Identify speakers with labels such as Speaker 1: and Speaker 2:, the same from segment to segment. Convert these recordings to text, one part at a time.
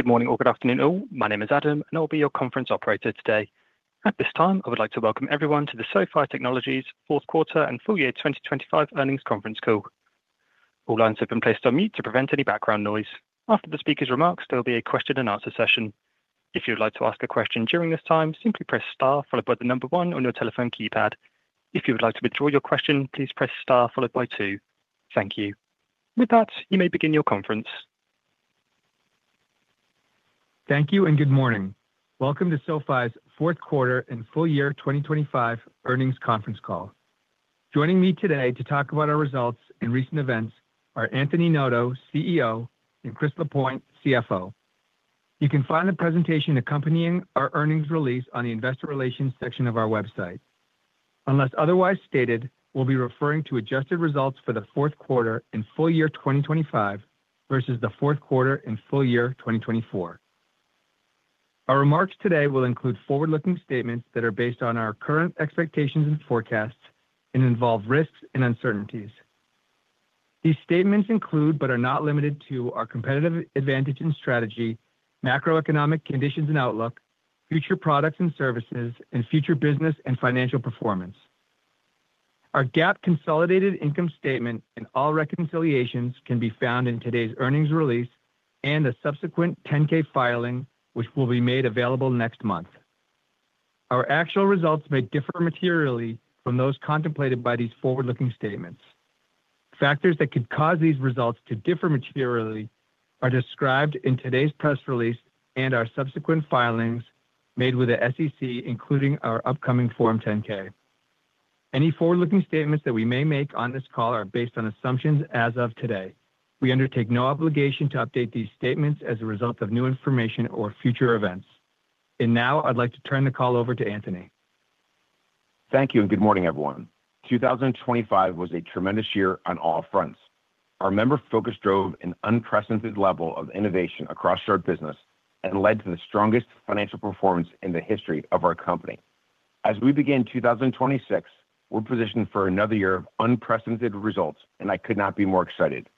Speaker 1: Good morning or good afternoon, all. My name is Adam, and I'll be your conference operator today. At this time, I would like to welcome everyone to the SoFi Technologies Fourth Quarter and Full Year 2025 Earnings Conference Call. All lines have been placed on mute to prevent any background noise. After the speaker's remarks, there will be a question-and-answer session. If you'd like to ask a question during this time, simply press star followed by the number one on your telephone keypad. If you would like to withdraw your question, please press star followed by two. Thank you. With that, you may begin your conference.
Speaker 2: Thank you, and good morning. Welcome to SoFi's Fourth Quarter and Full Year 2025 Earnings Conference Call. Joining me today to talk about our results and recent events are Anthony Noto, CEO, and Chris Lapointe, CFO. You can find the presentation accompanying our earnings release on the investor relations section of our website. Unless otherwise stated, we'll be referring to adjusted results for the fourth quarter and full year 2025 versus the fourth quarter and full year 2024. Our remarks today will include forward-looking statements that are based on our current expectations and forecasts and involve risks and uncertainties. These statements include, but are not limited to, our competitive advantage and strategy, macroeconomic conditions and outlook, future products and services, and future business and financial performance. Our GAAP consolidated income statement and all reconciliations can be found in today's earnings release and a subsequent 10-K filing, which will be made available next month. Our actual results may differ materially from those contemplated by these forward-looking statements. Factors that could cause these results to differ materially are described in today's press release and our subsequent filings made with the SEC, including our upcoming Form 10-K. Any forward-looking statements that we may make on this call are based on assumptions as of today. We undertake no obligation to update these statements as a result of new information or future events. And now I'd like to turn the call over to Anthony.
Speaker 3: Thank you, and good morning, everyone. 2025 was a tremendous year on all fronts. Our member focus drove an unprecedented level of innovation across our business and led to the strongest financial performance in the history of our company. As we begin 2026, we're positioned for another year of unprecedented results, and I could not be more excited.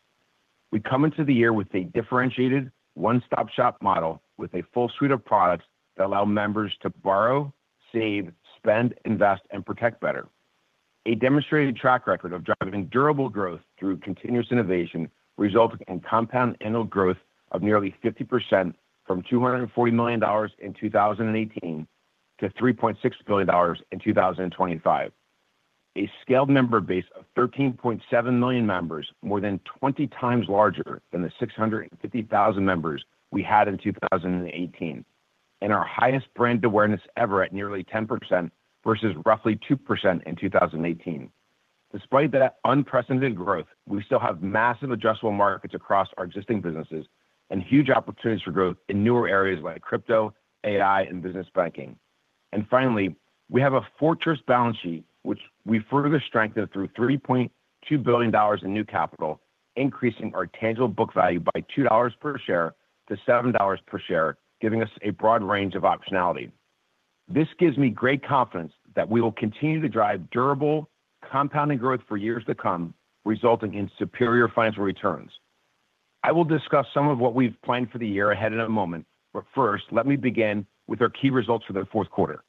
Speaker 3: We come into the year with a differentiated one-stop-shop model with a full suite of products that allow members to borrow, save, spend, invest, and protect better. A demonstrated track record of driving durable growth through continuous innovation, resulting in compound annual growth of nearly 50% from $240 million in 2018 to $3.6 billion in 2025. A scaled member base of 13.7 million members, more than 20 times larger than the 650,000 members we had in 2018, and our highest brand awareness ever at nearly 10% versus roughly 2% in 2018. Despite that unprecedented growth, we still have massive addressable markets across our existing businesses and huge opportunities for growth in newer areas like crypto, AI, and business banking. Finally, we have a fortress balance sheet, which we further strengthened through $3.2 billion in new capital, increasing our tangible book value by $2 per share to $7 per share, giving us a broad range of optionality. This gives me great confidence that we will continue to drive durable, compounded growth for years to come, resulting in superior financial returns. I will discuss some of what we've planned for the year ahead in a moment, but first, let me begin with our key results for the fourth quarter.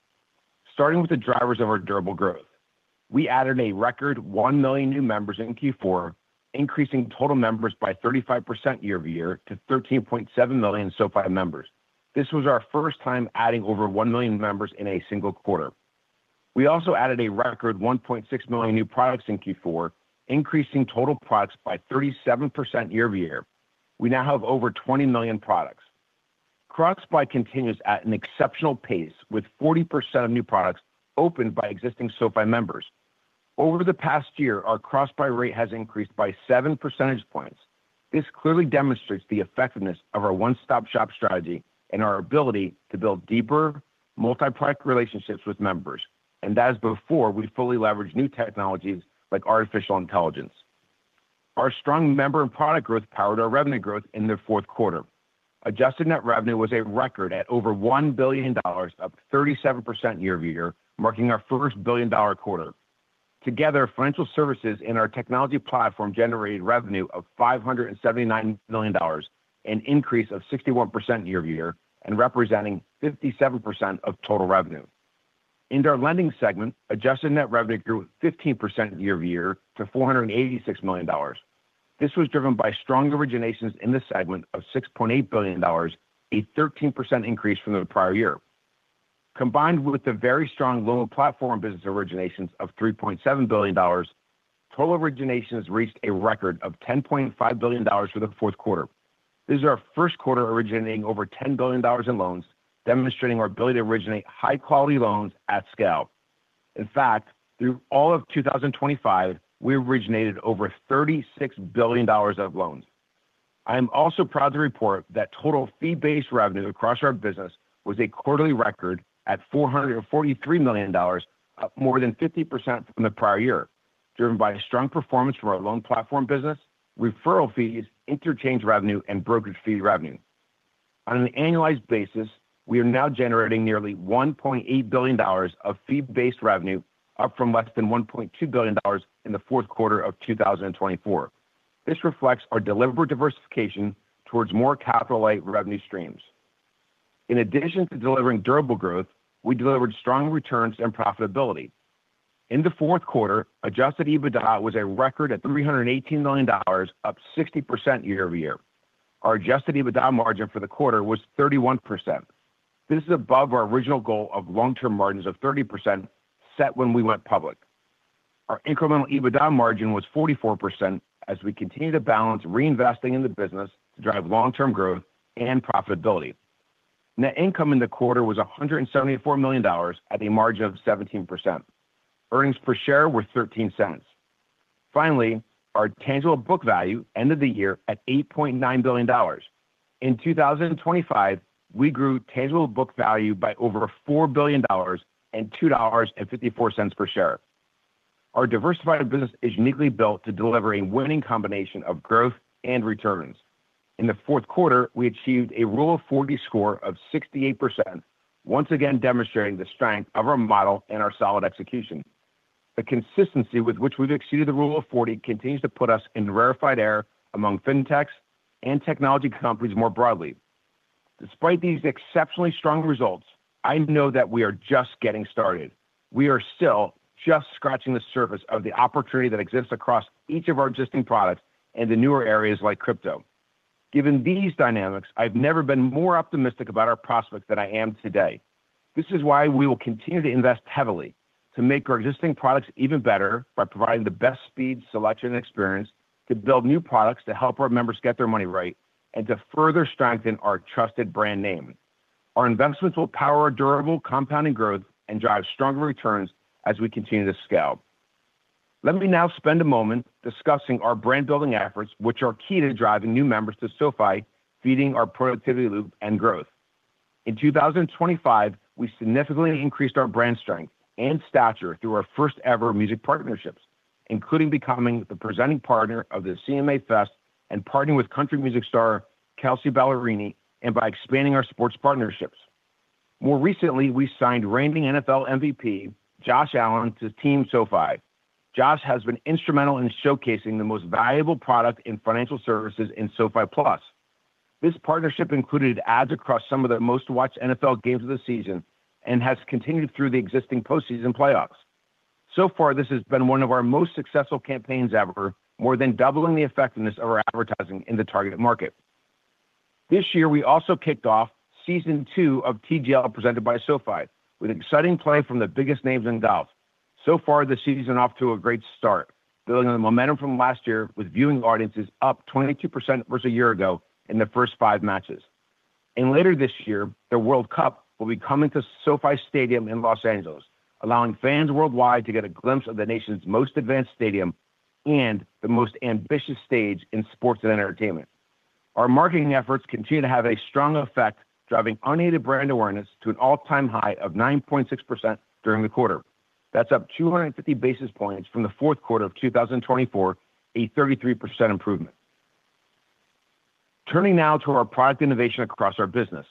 Speaker 3: Starting with the drivers of our durable growth, we added a record 1 million new members in Q4, increasing total members by 35% year-over-year to 13.7 million SoFi members. This was our first time adding over 1 million members in a single quarter. We also added a record 1.6 million new products in Q4, increasing total products by 37% year-over-year. We now have over 20 million products. Cross-buy continues at an exceptional pace, with 40% of new products opened by existing SoFi members. Over the past year, our cross-buy rate has increased by 7 percentage points. This clearly demonstrates the effectiveness of our one-stop-shop strategy and our ability to build deeper multi-product relationships with members, and that is before we fully leverage new technologies like artificial intelligence. Our strong member and product growth powered our revenue growth in the fourth quarter. Adjusted net revenue was a record at over $1 billion, up 37% year-over-year, marking our first billion-dollar quarter. Together, financial services in our technology platform generated revenue of $579 million, an increase of 61% year-over-year and representing 57% of total revenue. In our lending segment, adjusted net revenue grew 15% year-over-year to $486 million. This was driven by strong originations in the segment of $6.8 billion, a 13% increase from the prior year. Combined with the very strong Loan Platform Business originations of $3.7 billion, total originations reached a record of $10.5 billion for the fourth quarter. This is our first quarter originating over $10 billion in loans, demonstrating our ability to originate high-quality loans at scale. In fact, through all of 2025, we originated over $36 billion of loans. I am also proud to report that total fee-based revenue across our business was a quarterly record at $443 million, up more than 50% from the prior year, driven by a strong performance from our Loan Platform Business, referral fees, interchange revenue, and brokerage fee revenue. On an annualized basis, we are now generating nearly $1.8 billion of fee-based revenue, up from less than $1.2 billion in the fourth quarter of 2024. This reflects our deliberate diversification towards more capital-light revenue streams. In addition to delivering durable growth, we delivered strong returns and profitability. In the fourth quarter, Adjusted EBITDA was a record at $318 million, up 60% year-over-year. Our Adjusted EBITDA margin for the quarter was 31%. This is above our original goal of long-term margins of 30% set when we went public. Our incremental EBITDA margin was 44%, as we continue to balance reinvesting in the business to drive long-term growth and profitability. Net income in the quarter was $174 million at a margin of 17%. Earnings per share were $0.13. Finally, our tangible book value ended the year at $8.9 billion. In 2025, we grew tangible book value by over $4 billion and $2.54 per share. Our diversified business is uniquely built to deliver a winning combination of growth and returns. In the fourth quarter, we achieved a Rule of 40 score of 68%, once again demonstrating the strength of our model and our solid execution. The consistency with which we've exceeded the Rule of 40 continues to put us in rarefied air among fintechs and technology companies more broadly. Despite these exceptionally strong results, I know that we are just getting started. We are still just scratching the surface of the opportunity that exists across each of our existing products and the newer areas like crypto. Given these dynamics, I've never been more optimistic about our prospects than I am today. This is why we will continue to invest heavily to make our existing products even better by providing the best speed, selection, and experience, to build new products to help our members get their money right, and to further strengthen our trusted brand name. Our investments will power durable, compounding growth and drive stronger returns as we continue to scale. Let me now spend a moment discussing our brand-building efforts, which are key to driving new members to SoFi, feeding our productivity loop and growth. In 2025, we significantly increased our brand strength and stature through our first-ever music partnerships, including becoming the presenting partner of the CMA Fest and partnering with country music star Kelsea Ballerini, and by expanding our sports partnerships. More recently, we signed reigning NFL MVP, Josh Allen, to Team SoFi. Josh has been instrumental in showcasing the most valuable product in financial services in SoFi Plus. This partnership included ads across some of the most-watched NFL games of the season and has continued through the existing postseason playoffs. So far, this has been one of our most successful campaigns ever, more than doubling the effectiveness of our advertising in the targeted market. This year, we also kicked off Season 2 of TGL, presented by SoFi, with exciting play from the biggest names in golf. So far, the season's off to a great start, building on the momentum from last year, with viewing audiences up 22% versus a year ago in the first five matches. Later this year, the World Cup will be coming to SoFi Stadium in Los Angeles, allowing fans worldwide to get a glimpse of the nation's most advanced stadium and the most ambitious stage in sports and entertainment. Our marketing efforts continue to have a strong effect, driving unaided brand awareness to an all-time high of 9.6% during the quarter. That's up 250 basis points from the fourth quarter of 2024, a 33% improvement. Turning now to our product innovation across our business.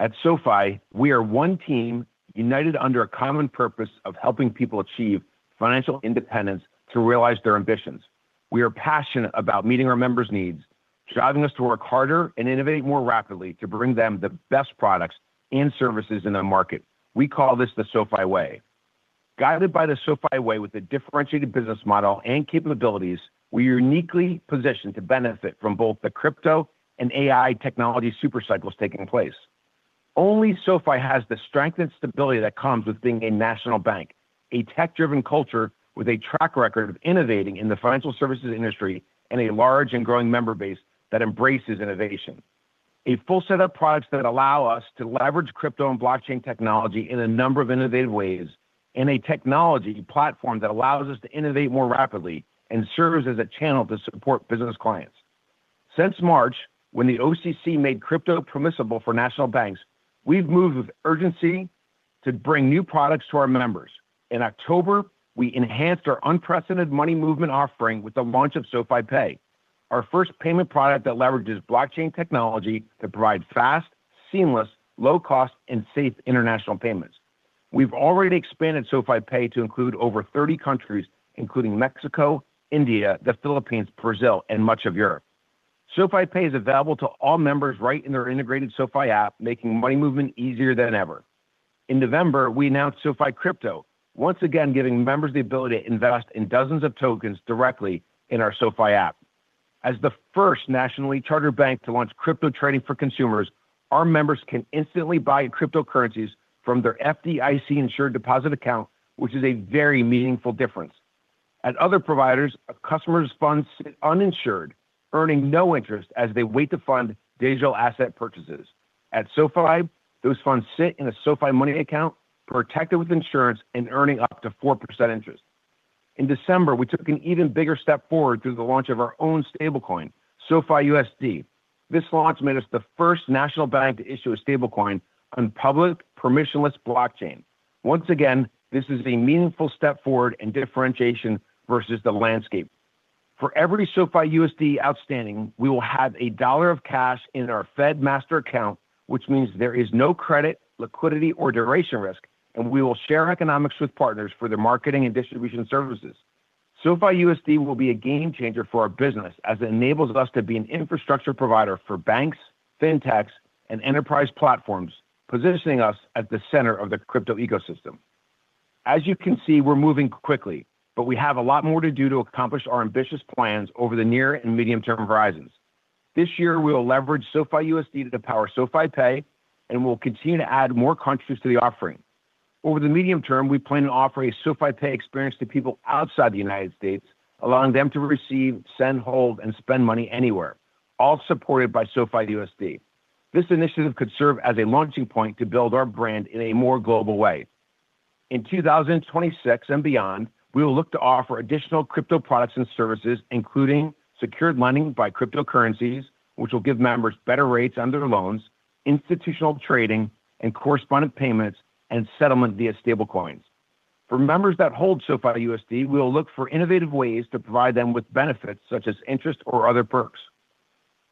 Speaker 3: At SoFi, we are one team united under a common purpose of helping people achieve financial independence to realize their ambitions. We are passionate about meeting our members' needs, driving us to work harder and innovate more rapidly to bring them the best products and services in the market. We call this the SoFi way. Guided by the SoFi way, with a differentiated business model and capabilities, we are uniquely positioned to benefit from both the crypto and AI technology super cycles taking place. Only SoFi has the strength and stability that comes with being a national bank, a tech-driven culture with a track record of innovating in the financial services industry, and a large and growing member base that embraces innovation. A full set of products that allow us to leverage crypto and blockchain technology in a number of innovative ways, and a technology platform that allows us to innovate more rapidly and serves as a channel to support business clients. Since March, when the OCC made crypto permissible for national banks, we've moved with urgency to bring new products to our members. In October, we enhanced our unprecedented money movement offering with the launch of SoFi Pay, our first payment product that leverages blockchain technology to provide fast, seamless, low-cost, and safe international payments. We've already expanded SoFi Pay to include over 30 countries, including Mexico, India, the Philippines, Brazil, and much of Europe. SoFi Pay is available to all members right in their integrated SoFi app, making money movement easier than ever. In November, we announced SoFi Crypto, once again, giving members the ability to invest in dozens of tokens directly in our SoFi app. As the first nationally chartered bank to launch crypto trading for consumers, our members can instantly buy cryptocurrencies from their FDIC-insured deposit account, which is a very meaningful difference. At other providers, a customer's funds sit uninsured, earning no interest as they wait to fund digital asset purchases. At SoFi, those funds sit in a SoFi Money account, protected with insurance and earning up to 4% interest. In December, we took an even bigger step forward through the launch of our own stablecoin, SoFi USD. This launch made us the first national bank to issue a stablecoin on public permissionless blockchain. Once again, this is a meaningful step forward and differentiation versus the landscape. For every SoFi USD outstanding, we will have a dollar of cash in our Fed master account, which means there is no credit, liquidity, or duration risk, and we will share economics with partners for their marketing and distribution services. SoFi USD will be a game changer for our business, as it enables us to be an infrastructure provider for banks, fintechs, and enterprise platforms, positioning us at the center of the crypto ecosystem. As you can see, we're moving quickly, but we have a lot more to do to accomplish our ambitious plans over the near and medium-term horizons. This year, we will leverage SoFi USD to power SoFi Pay, and we'll continue to add more countries to the offering. Over the medium term, we plan to offer a SoFi Pay experience to people outside the United States, allowing them to receive, send, hold, and spend money anywhere, all supported by SoFi USD. This initiative could serve as a launching point to build our brand in a more global way. In 2026 and beyond, we will look to offer additional crypto products and services, including secured lending by cryptocurrencies, which will give members better rates on their loans, institutional trading and correspondent payments, and settlement via stablecoins. For members that hold SoFi USD, we will look for innovative ways to provide them with benefits, such as interest or other perks.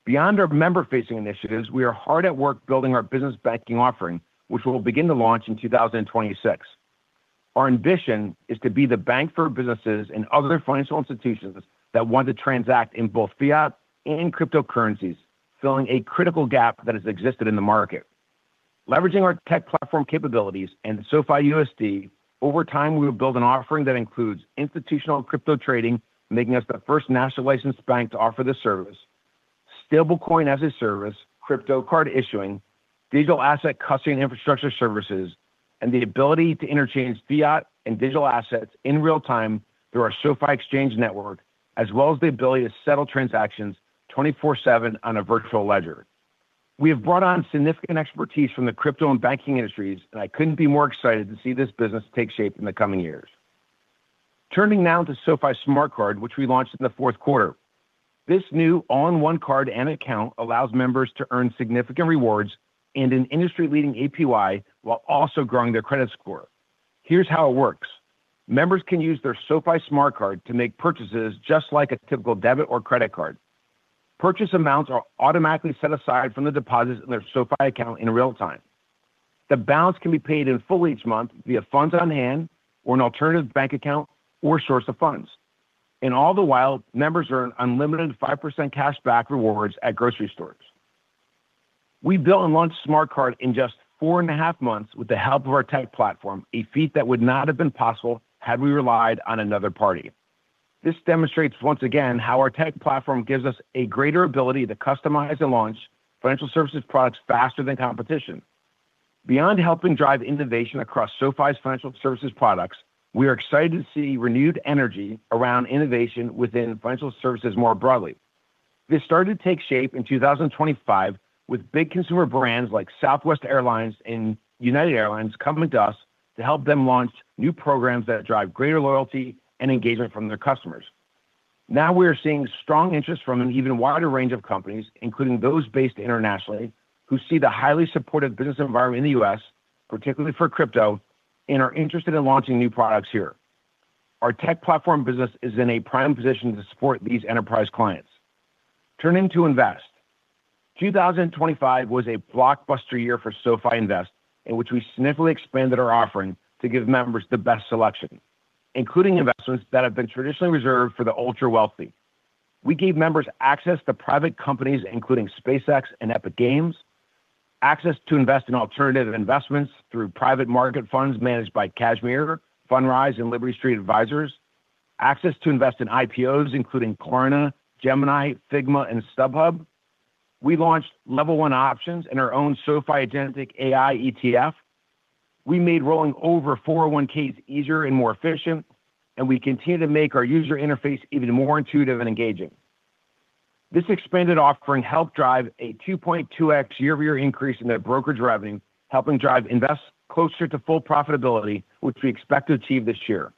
Speaker 3: Beyond our member-facing initiatives, we are hard at work building our business banking offering, which we'll begin to launch in 2026. Our ambition is to be the bank for businesses and other financial institutions that want to transact in both fiat and cryptocurrencies, filling a critical gap that has existed in the market. Leveraging our tech platform capabilities and SoFi USD, over time, we will build an offering that includes institutional crypto trading, making us the first national licensed bank to offer this service. Stablecoin as a service, crypto card issuing, digital asset custody and infrastructure services, and the ability to interchange fiat and digital assets in real time through our SoFi exchange network, as well as the ability to settle transactions 24/7 on a virtual ledger. We have brought on significant expertise from the crypto and banking industries, and I couldn't be more excited to see this business take shape in the coming years. Turning now to SoFi Smart Card, which we launched in the fourth quarter. This new all-in-one card and account allows members to earn significant rewards and an industry-leading APY while also growing their credit score. Here's how it works: Members can use their SoFi Smart Card to make purchases just like a typical debit or credit card. Purchase amounts are automatically set aside from the deposits in their SoFi account in real time. The balance can be paid in full each month via funds on hand or an alternative bank account or source of funds. All the while, members earn unlimited 5% cash back rewards at grocery stores. We built and launched Smart Card in just four and a half months with the help of our tech platform, a feat that would not have been possible had we relied on another party. This demonstrates once again how our tech platform gives us a greater ability to customize and launch financial services products faster than competition. Beyond helping drive innovation across SoFi's financial services products, we are excited to see renewed energy around innovation within financial services more broadly. This started to take shape in 2025, with big consumer brands like Southwest Airlines and United Airlines coming to us to help them launch new programs that drive greater loyalty and engagement from their customers. Now, we are seeing strong interest from an even wider range of companies, including those based internationally, who see the highly supportive business environment in the U.S., particularly for crypto, and are interested in launching new products here. Our tech platform business is in a prime position to support these enterprise clients. Turning to Invest. 2025 was a blockbuster year for SoFi Invest, in which we significantly expanded our offering to give members the best selection, including investments that have been traditionally reserved for the ultra-wealthy. We gave members access to private companies, including SpaceX and Epic Games, access to invest in alternative investments through private market funds managed by Cashmere, Fundrise, and Liberty Street Advisors, access to invest in IPOs, including Klarna, Gemini, Figma, and StubHub. We launched Level One Options and our own SoFi Agentic AI ETF. We made rolling over 401(k)s easier and more efficient, and we continue to make our user interface even more intuitive and engaging. This expanded offering helped drive a 2.2x year-over-year increase in their brokerage revenue, helping drive Invest closer to full profitability, which we expect to achieve this year.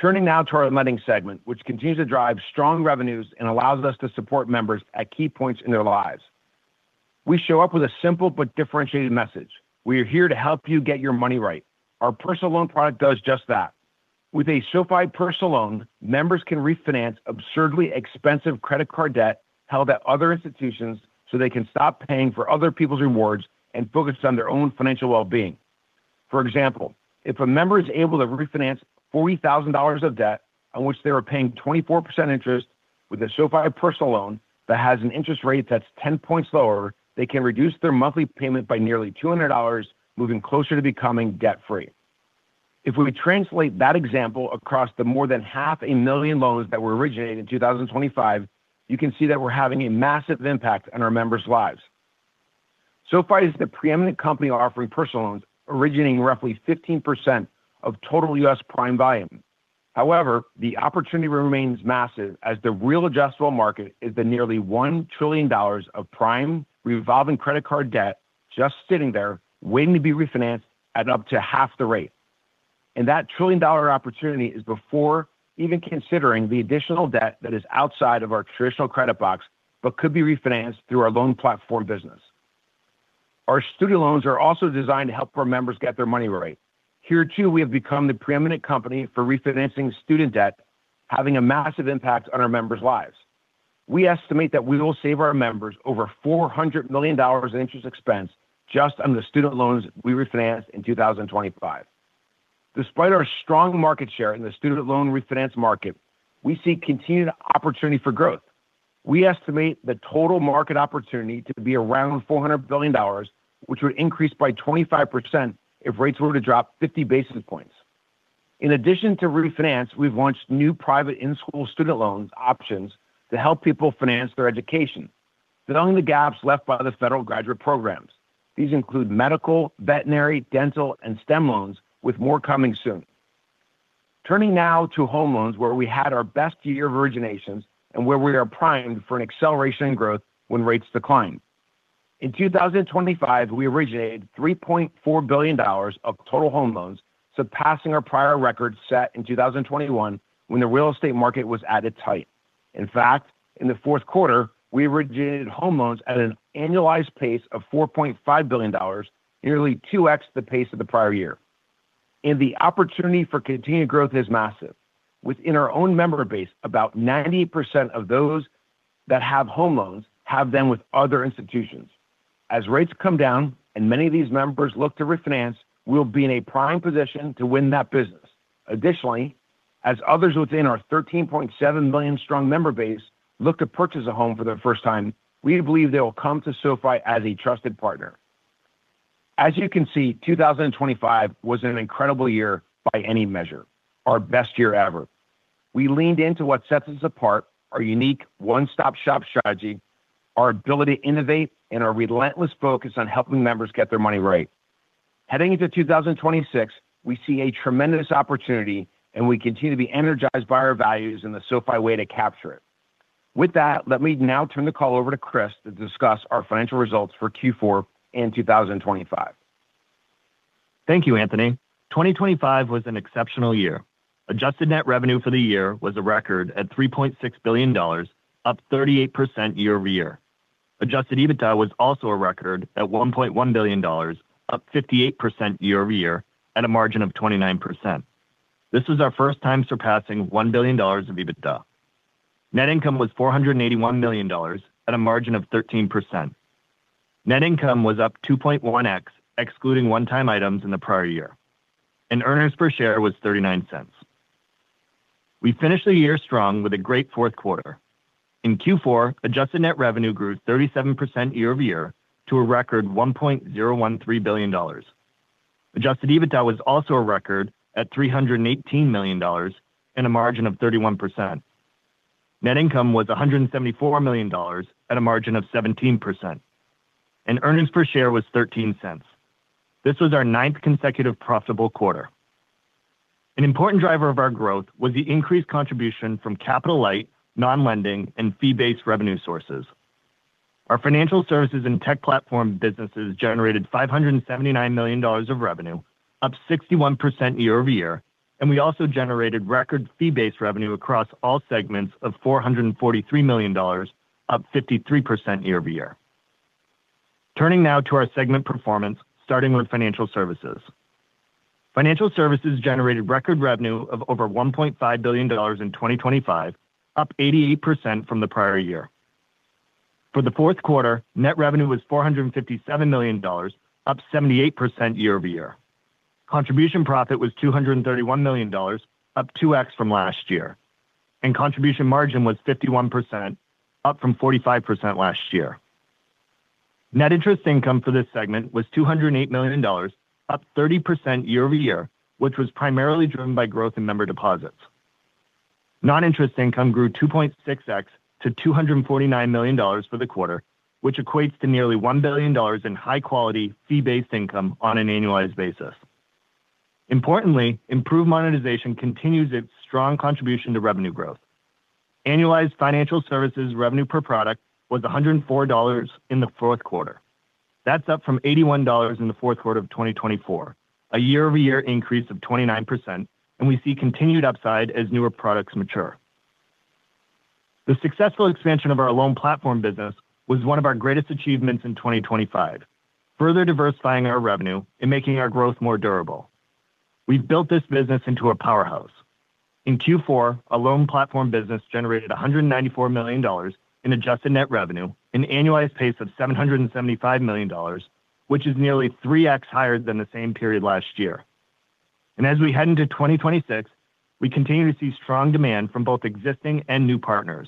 Speaker 3: Turning now to our lending segment, which continues to drive strong revenues and allows us to support members at key points in their lives. We show up with a simple but differentiated message: We are here to help you get your money right. Our personal loan product does just that. With a SoFi Personal Loan, members can refinance absurdly expensive credit card debt held at other institutions so they can stop paying for other people's rewards and focus on their own financial well-being. For example, if a member is able to refinance $40,000 of debt on which they are paying 24% interest with a SoFi Personal Loan that has an interest rate that's 10 points lower, they can reduce their monthly payment by nearly $200, moving closer to becoming debt-free. If we translate that example across the more than 500,000 loans that were originated in 2025, you can see that we're having a massive impact on our members' lives. SoFi is the preeminent company offering personal loans, originating roughly 15% of total U.S. prime volume. However, the opportunity remains massive, as the real addressable market is the nearly $1 trillion of prime revolving credit card debt just sitting there waiting to be refinanced at up to half the rate. That trillion-dollar opportunity is before even considering the additional debt that is outside of our traditional credit box but could be refinanced through our loan platform business. Our student loans are also designed to help our members get their money right. Here, too, we have become the preeminent company for refinancing student debt, having a massive impact on our members' lives. We estimate that we will save our members over $400 million in interest expense just on the student loans we refinanced in 2025. Despite our strong market share in the student loan refinance market, we see continued opportunity for growth. We estimate the total market opportunity to be around $400 billion, which would increase by 25% if rates were to drop 50 basis points. In addition to refinance, we've launched new private in-school student loans options to help people finance their education, filling the gaps left by the federal graduate programs. These include medical, veterinary, dental, and STEM loans, with more coming soon. Turning now to home loans, where we had our best year of originations and where we are primed for an acceleration in growth when rates decline. In 2025, we originated $3.4 billion of total home loans, surpassing our prior record set in 2021 when the real estate market was at its height. In fact, in the fourth quarter, we originated home loans at an annualized pace of $4.5 billion, nearly 2x the pace of the prior year. The opportunity for continued growth is massive. Within our own member base, about 90% of those that have home loans have them with other institutions. As rates come down and many of these members look to refinance, we'll be in a prime position to win that business. Additionally, as others within our 13.7 million strong member base look to purchase a home for the first time, we believe they will come to SoFi as a trusted partner. As you can see, 2025 was an incredible year by any measure, our best year ever. We leaned into what sets us apart, our unique one-stop-shop strategy, our ability to innovate, and our relentless focus on helping members get their money right. Heading into 2026, we see a tremendous opportunity, and we continue to be energized by our values in the SoFi way to capture it. With that, let me now turn the call over to Chris to discuss our financial results for Q4 in 2025.
Speaker 4: Thank you, Anthony. 2025 was an exceptional year. Adjusted net revenue for the year was a record at $3.6 billion, up 38% year-over-year. Adjusted EBITDA was also a record at $1.1 billion, up 58% year-over-year at a margin of 29%. This is our first time surpassing $1 billion of EBITDA. Net income was $481 million at a margin of 13%. Net income was up 2.1x, excluding one-time items in the prior year, and earnings per share was $0.39. We finished the year strong with a great fourth quarter. In Q4, adjusted net revenue grew 37% year-over-year to a record $1.013 billion. Adjusted EBITDA was also a record at $318 million and a margin of 31%. Net income was $174 million at a margin of 17%, and earnings per share was $0.13. This was our ninth consecutive profitable quarter. An important driver of our growth was the increased contribution from capital light, non-lending, and fee-based revenue sources. Our financial services and tech platform businesses generated $579 million of revenue, up 61% year-over-year, and we also generated record fee-based revenue across all segments of $443 million, up 53% year-over-year. Turning now to our segment performance, starting with financial services. Financial services generated record revenue of over $1.5 billion in 2025, up 88% from the prior year. For the fourth quarter, net revenue was $457 million, up 78% year-over-year. Contribution Profit was $231 million, up 2x from last year, and contribution margin was 51%, up from 45% last year. Net interest income for this segment was $208 million, up 30% year-over-year, which was primarily driven by growth in member deposits. Non-interest income grew 2.6x to $249 million for the quarter, which equates to nearly $1 billion in high-quality, fee-based income on an annualized basis. Importantly, improved monetization continues its strong contribution to revenue growth. Annualized financial services revenue per product was $104 in the fourth quarter. That's up from $81 in the fourth quarter of 2024, a year-over-year increase of 29%, and we see continued upside as newer products mature. The successful expansion of our Loan Platform Business was one of our greatest achievements in 2025, further diversifying our revenue and making our growth more durable. We've built this business into a powerhouse. In Q4, our Loan Platform Business generated $194 million in adjusted net revenue, an annualized pace of $775 million, which is nearly 3x higher than the same period last year. We continue to see strong demand from both existing and new partners.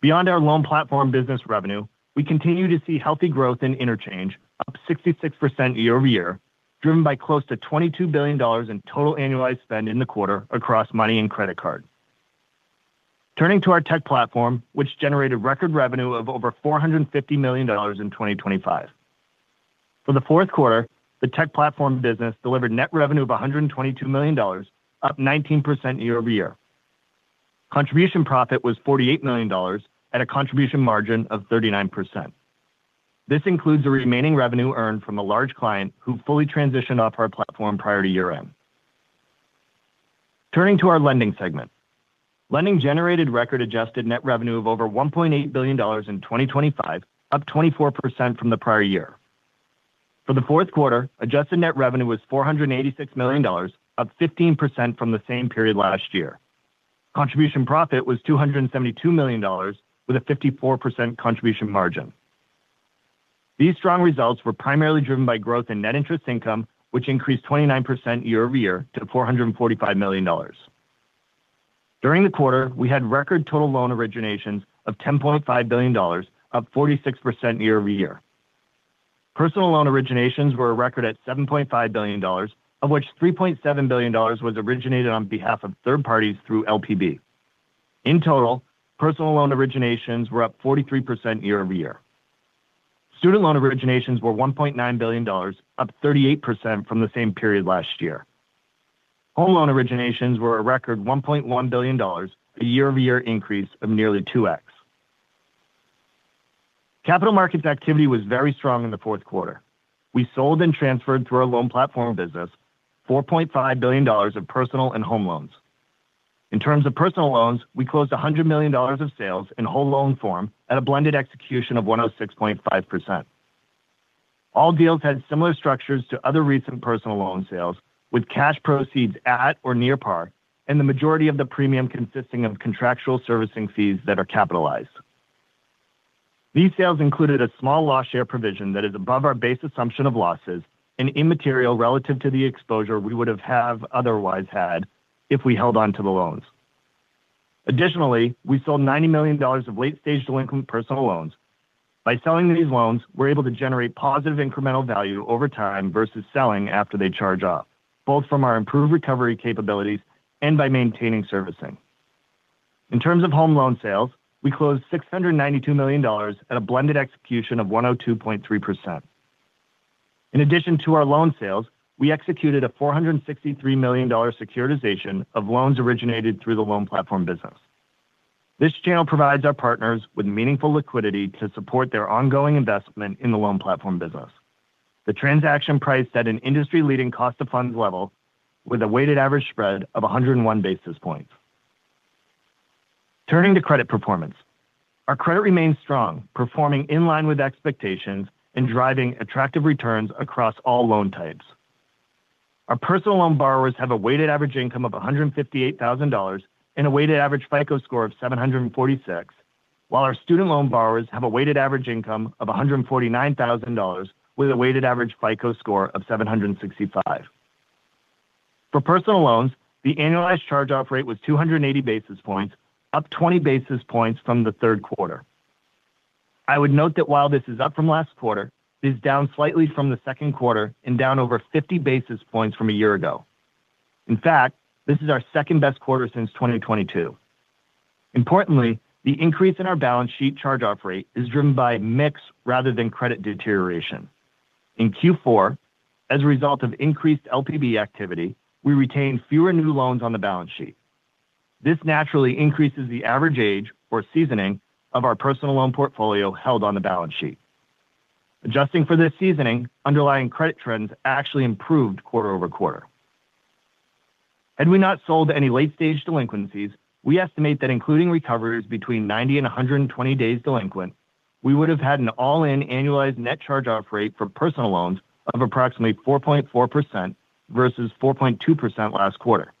Speaker 4: Beyond our loan platform business revenue, we continue to see healthy growth in interchange, up 66% year-over-year, driven by close to $22 billion in total annualized spend in the quarter across money and credit card. Turning to our tech platform, which generated record revenue of over $450 million in 2025. For the fourth quarter, the tech platform business delivered net revenue of $122 million, up 19% year-over-year. Contribution profit was $48 million at a contribution margin of 39%. This includes the remaining revenue earned from a large client who fully transitioned off our platform prior to year-end. Turning to our lending segment. Lending generated record adjusted net revenue of over $1.8 billion in 2025, up 24% from the prior year. For the fourth quarter, adjusted net revenue was $486 million, up 15% from the same period last year. Contribution profit was $272 million, with a 54% contribution margin. These strong results were primarily driven by growth in net interest income, which increased 29% year-over-year to $445 million. During the quarter, we had record total loan originations of $10.5 billion, up 46% year-over-year. Personal loan originations were a record at $7.5 billion, of which $3.7 billion was originated on behalf of third parties through LPB. In total, personal loan originations were up 43% year-over-year. Student loan originations were $1.9 billion, up 38% from the same period last year. Home loan originations were a record $1.1 billion, a year-over-year increase of nearly 2x. Capital markets activity was very strong in the fourth quarter. We sold and transferred through our Loan Platform Business, $4.5 billion of personal and home loans. In terms of personal loans, we closed $100 million of sales in home loan form at a blended execution of 106.5%. All deals had similar structures to other recent personal loan sales, with cash proceeds at or near par, and the majority of the premium consisting of contractual servicing fees that are capitalized. These sales included a small loss share provision that is above our base assumption of losses and immaterial relative to the exposure we would have otherwise had if we held on to the loans. Additionally, we sold $90 million of late-stage delinquent personal loans. By selling these loans, we're able to generate positive incremental value over time versus selling after they charge off, both from our improved recovery capabilities and by maintaining servicing. In terms of home loan sales, we closed $692 million at a blended execution of 102.3%. In addition to our loan sales, we executed a $463 million dollar securitization of loans originated through the Loan Platform Business. This channel provides our partners with meaningful liquidity to support their ongoing investment in the Loan Platform Business. The transaction price at an industry-leading cost of funds level, with a weighted average spread of 101 basis points. Turning to credit performance. Our credit remains strong, performing in line with expectations and driving attractive returns across all loan types. Our personal loan borrowers have a weighted average income of $158,000 and a weighted average FICO score of 746, while our student loan borrowers have a weighted average income of $149,000, with a weighted average FICO score of 765. For personal loans, the annualized charge-off rate was 280 basis points, up 20 basis points from the third quarter. I would note that while this is up from last quarter, it is down slightly from the second quarter and down over 50 basis points from a year ago. In fact, this is our second-best quarter since 2022. Importantly, the increase in our balance sheet charge-off rate is driven by mix rather than credit deterioration. In Q4, as a result of increased LPB activity, we retained fewer new loans on the balance sheet. This naturally increases the average age or seasoning of our personal loan portfolio held on the balance sheet. Adjusting for this seasoning, underlying credit trends actually improved quarter-over-quarter. Had we not sold any late-stage delinquencies, we estimate that including recoveries between 90 and 120 days delinquent, we would have had an all-in annualized net charge-off rate for personal loans of approximately 4.4% versus 4.2% last quarter.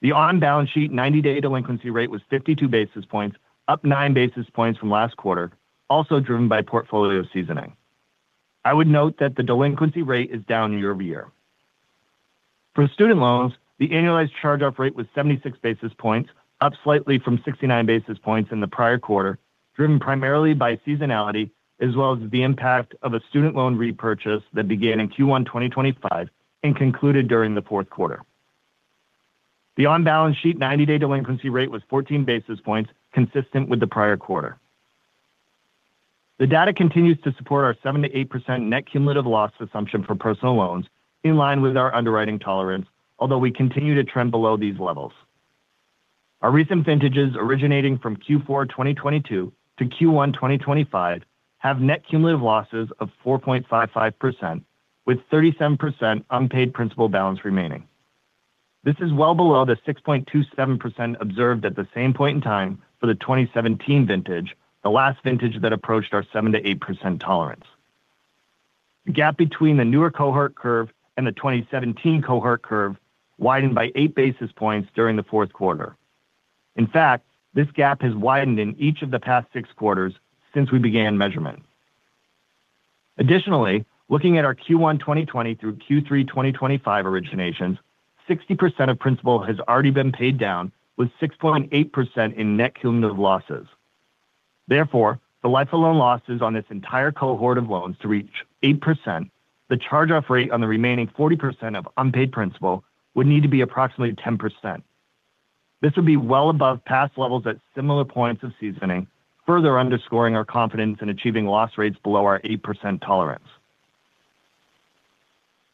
Speaker 4: The on-balance sheet ninety-day delinquency rate was 52 basis points, up 9 basis points from last quarter, also driven by portfolio seasoning. I would note that the delinquency rate is down year-over-year. For student loans, the annualized charge-off rate was 76 basis points, up slightly from 69 basis points in the prior quarter, driven primarily by seasonality, as well as the impact of a student loan repurchase that began in Q1 2025 and concluded during the fourth quarter. The on-balance sheet 90-day delinquency rate was 14 basis points, consistent with the prior quarter. The data continues to support our 7%-8% net cumulative loss assumption for personal loans, in line with our underwriting tolerance, although we continue to trend below these levels. Our recent vintages, originating from Q4 2022 to Q1 2025, have net cumulative losses of 4.55%, with 37% unpaid principal balance remaining. This is well below the 6.27% observed at the same point in time for the 2017 vintage, the last vintage that approached our 7%-8% tolerance. The gap between the newer cohort curve and the 2017 cohort curve widened by 8 basis points during the fourth quarter. In fact, this gap has widened in each of the past six quarters since we began measurement. Additionally, looking at our Q1 2020 through Q3 2025 originations, 60% of principal has already been paid down, with 6.8% in net cumulative losses. Therefore, the life of loan losses on this entire cohort of loans to reach 8%, the charge-off rate on the remaining 40% of unpaid principal would need to be approximately 10%. This would be well above past levels at similar points of seasoning, further underscoring our confidence in achieving loss rates below our 8% tolerance.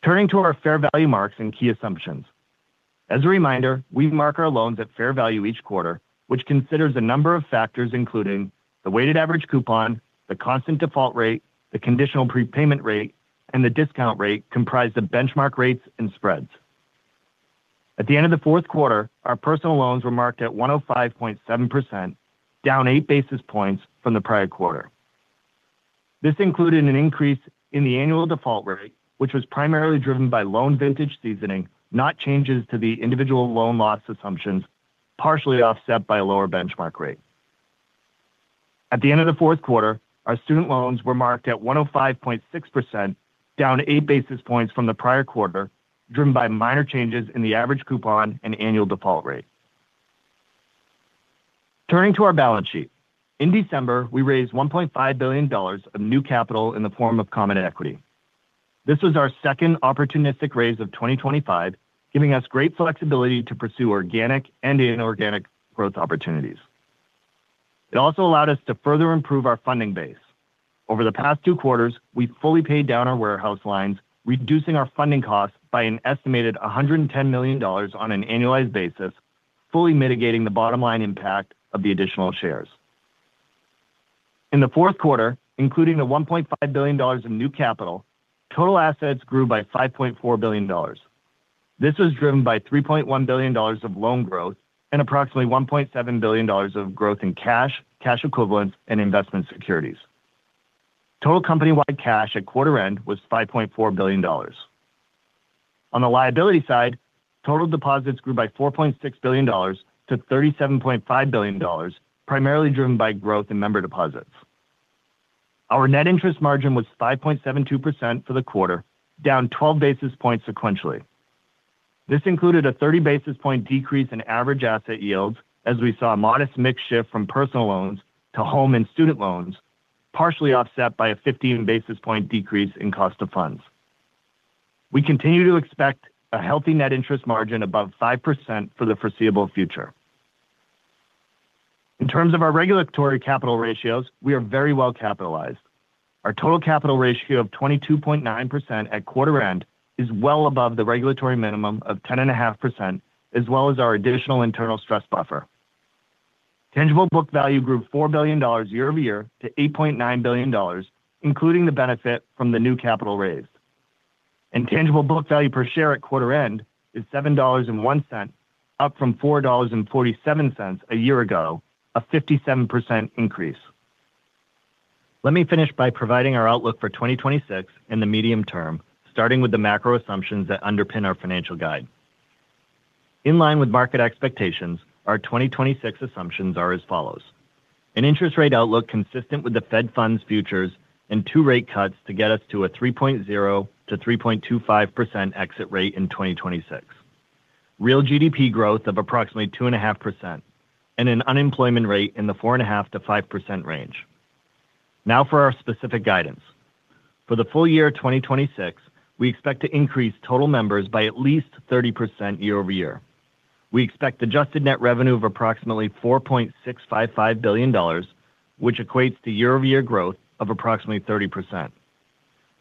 Speaker 4: Turning to our fair value marks and key assumptions. As a reminder, we mark our loans at fair value each quarter, which considers a number of factors, including the weighted average coupon, the constant default rate, the conditional prepayment rate, and the discount rate comprised of benchmark rates and spreads. At the end of the fourth quarter, our personal loans were marked at 105.7%, down eight basis points from the prior quarter. This included an increase in the annual default rate, which was primarily driven by loan vintage seasoning, not changes to the individual loan loss assumptions, partially offset by a lower benchmark rate. At the end of the fourth quarter, our student loans were marked at 105.6%, down 8 basis points from the prior quarter, driven by minor changes in the average coupon and annual default rate. Turning to our balance sheet. In December, we raised $1.5 billion of new capital in the form of common equity. This was our second opportunistic raise of 2025, giving us great flexibility to pursue organic and inorganic growth opportunities. It also allowed us to further improve our funding base. Over the past two quarters, we fully paid down our warehouse lines, reducing our funding costs by an estimated $110 million on an annualized basis, fully mitigating the bottom line impact of the additional shares. In the fourth quarter, including the $1.5 billion in new capital, total assets grew by $5.4 billion. This was driven by $3.1 billion of loan growth and approximately $1.7 billion of growth in cash, cash equivalents, and investment securities. Total company-wide cash at quarter end was $5.4 billion. On the liability side, total deposits grew by $4.6 billion to $37.5 billion, primarily driven by growth in member deposits. Our net interest margin was 5.72% for the quarter, down 12 basis points sequentially. This included a 30 basis point decrease in average asset yields, as we saw a modest mix shift from personal loans to home and student loans, partially offset by a 15 basis point decrease in cost of funds. We continue to expect a healthy net interest margin above 5% for the foreseeable future. In terms of our regulatory capital ratios, we are very well capitalized. Our total capital ratio of 22.9% at quarter end is well above the regulatory minimum of 10.5%, as well as our additional internal stress buffer. Tangible Book Value grew $4 billion year-over-year to $8.9 billion, including the benefit from the new capital raised. Tangible Book Value per share at quarter end is $7.01, up from $4.47 a year ago, a 57% increase. Let me finish by providing our outlook for 2026 and the medium term, starting with the macro assumptions that underpin our financial guide. In line with market expectations, our 2026 assumptions are as follows: An interest rate outlook consistent with the Fed Funds Futures and two rate cuts to get us to a 3.0%-3.25% exit rate in 2026. Real GDP growth of approximately 2.5%, and an unemployment rate in the 4.5%-5% range. Now, for our specific guidance. For the full year of 2026, we expect to increase total members by at least 30% year-over-year. We expect adjusted net revenue of approximately $4.655 billion, which equates to year-over-year growth of approximately 30%.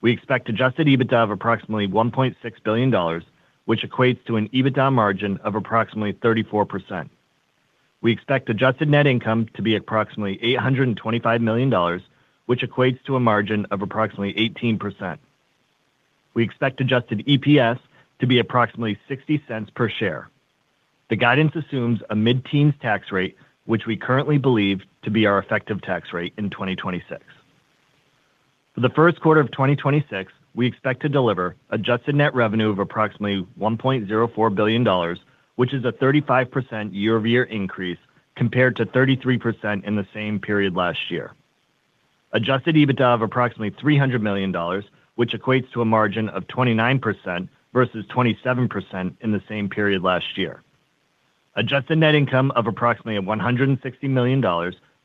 Speaker 4: We expect adjusted EBITDA of approximately $1.6 billion, which equates to an EBITDA margin of approximately 34%. We expect adjusted net income to be approximately $825 million, which equates to a margin of approximately 18%. We expect adjusted EPS to be approximately $0.60 per share. The guidance assumes a mid-teen tax rate, which we currently believe to be our effective tax rate in 2026. For the first quarter of 2026, we expect to deliver adjusted net revenue of approximately $1.04 billion, which is a 35% year-over-year increase compared to 33% in the same period last year. Adjusted EBITDA of approximately $300 million, which equates to a margin of 29% versus 27% in the same period last year. Adjusted net income of approximately $160 million,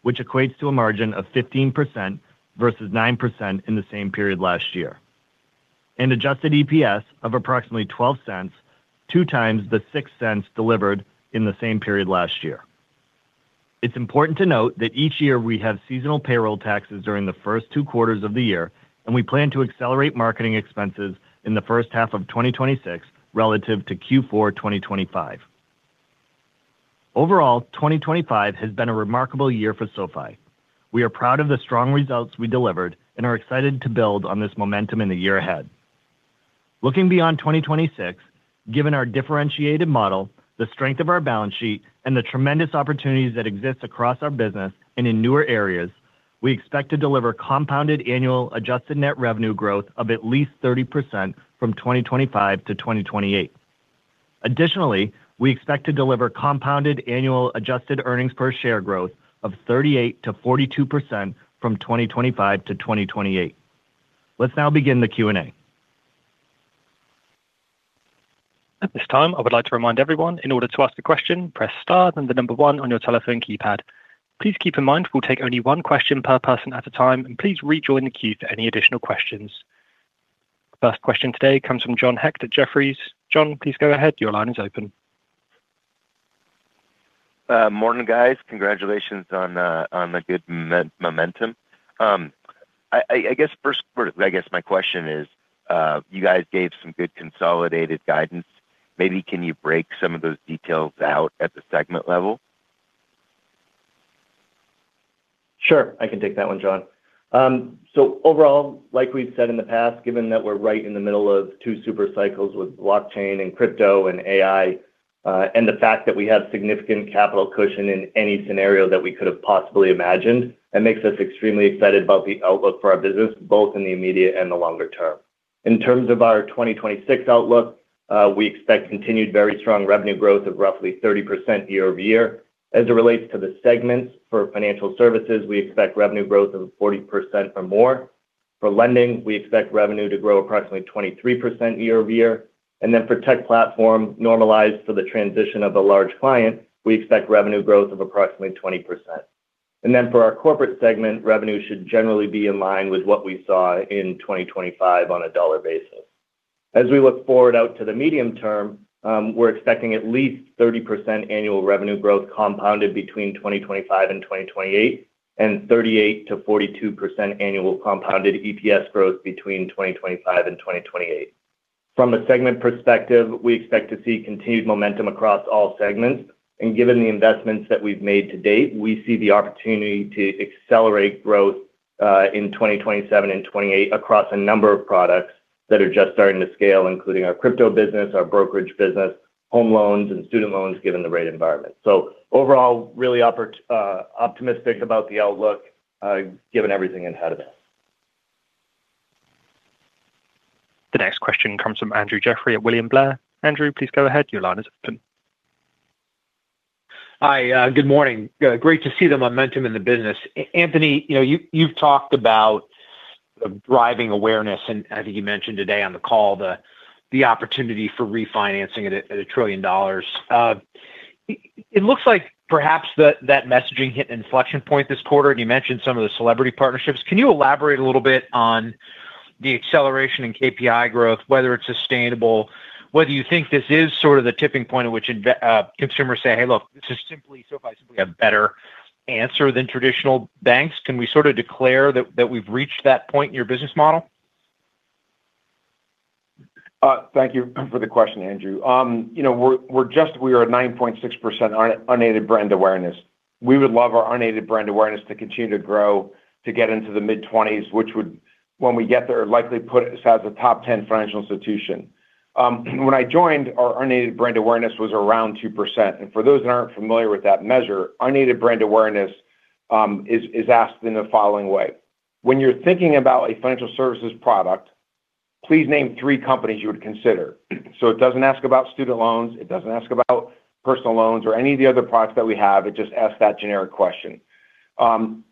Speaker 4: which equates to a margin of 15% versus 9% in the same period last year. Adjusted EPS of approximately $0.12, 2x the $0.06 delivered in the same period last year. It's important to note that each year we have seasonal payroll taxes during the first two quarters of the year, and we plan to accelerate marketing expenses in the first half of 2026 relative to Q4 2025. Overall, 2025 has been a remarkable year for SoFi. We are proud of the strong results we delivered and are excited to build on this momentum in the year ahead. Looking beyond 2026, given our differentiated model, the strength of our balance sheet, and the tremendous opportunities that exist across our business and in newer areas, we expect to deliver compounded annual adjusted net revenue growth of at least 30% from 2025 to 2028. Additionally, we expect to deliver compounded annual adjusted earnings per share growth of 38%-42% from 2025 to 2028. Let's now begin the Q&A.
Speaker 1: At this time, I would like to remind everyone, in order to ask a question, press star and the number one on your telephone keypad. Please keep in mind we'll take only one question per person at a time, and please rejoin the queue for any additional questions. First question today comes from John Hecht at Jefferies. John, please go ahead. Your line is open.
Speaker 5: Morning, guys. Congratulations on the good momentum. I guess, first, my question is, you guys gave some good consolidated guidance. Maybe can you break some of those details out at the segment level?
Speaker 4: Sure, I can take that one, John. So overall, like we've said in the past, given that we're right in the middle of two super cycles with blockchain and crypto and AI, and the fact that we have significant capital cushion in any scenario that we could have possibly imagined, that makes us extremely excited about the outlook for our business, both in the immediate and the longer term. In terms of our 2026 outlook, we expect continued very strong revenue growth of roughly 30% year-over-year. As it relates to the segments for financial services, we expect revenue growth of 40% or more. For lending, we expect revenue to grow approximately 23% year-over-year, and then for tech platform, normalized for the transition of a large client, we expect revenue growth of approximately 20%. And then for our corporate segment, revenue should generally be in line with what we saw in 2025 on a dollar basis. As we look forward out to the medium term, we're expecting at least 30% annual revenue growth compounded between 2025 and 2028, and 38%-42% annual compounded EPS growth between 2025 and 2028. From a segment perspective, we expect to see continued momentum across all segments, and given the investments that we've made to date, we see the opportunity to accelerate growth in 2027 and 2028 across a number of products that are just starting to scale, including our crypto business, our brokerage business, home loans, and student loans, given the rate environment. So overall, really optimistic about the outlook, given everything ahead of it.
Speaker 1: The next question comes from Andrew Jeffrey at William Blair. Andrew, please go ahead. Your line is open.
Speaker 6: Hi. Good morning. Great to see the momentum in the business. Anthony, you know, you've talked about driving awareness, and I think you mentioned today on the call the opportunity for refinancing at a $1 trillion. It looks like perhaps that messaging hit an inflection point this quarter, and you mentioned some of the celebrity partnerships. Can you elaborate a little bit on the acceleration in KPI growth, whether it's sustainable, whether you think this is sort of the tipping point in which consumers say, "Hey, look, this is simply SoFi, simply a better answer than traditional banks"? Can we sort of declare that we've reached that point in your business model?
Speaker 3: Thank you for the question, Andrew. You know, we are at 9.6% unaided brand awareness. We would love our unaided brand awareness to continue to grow, to get into the mid-20%s, which would, when we get there, likely put us as a top 10 financial institution. When I joined, our unaided brand awareness was around 2%, and for those that aren't familiar with that measure, unaided brand awareness is asked in the following way: when you're thinking about a financial services product, please name three companies you would consider. So it doesn't ask about student loans, it doesn't ask about personal loans or any of the other products that we have. It just asks that generic question.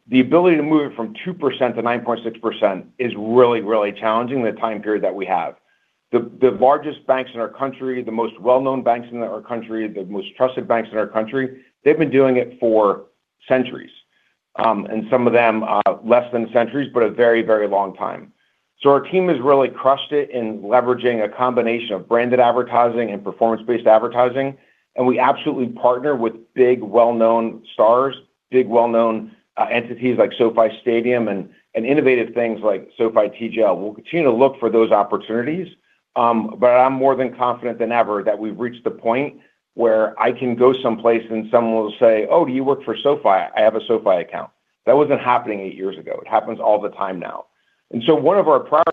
Speaker 3: The ability to move it from 2% to 9.6% is really, really challenging in the time period that we have. The largest banks in our country, the most well-known banks in our country, the most trusted banks in our country, they've been doing it for centuries. And some of them, less than centuries, but a very, very long time. So our team has really crushed it in leveraging a combination of branded advertising and performance-based advertising, and we absolutely partner with big, well-known stars, big, well-known, entities like SoFi Stadium and innovative things like SoFi TGL. We'll continue to look for those opportunities, but I'm more than confident than ever that we've reached the point where I can go someplace and someone will say, "Oh, do you work for SoFi? I have a SoFi account." That wasn't happening eight years ago. It happens all the time now. And so one of our priorities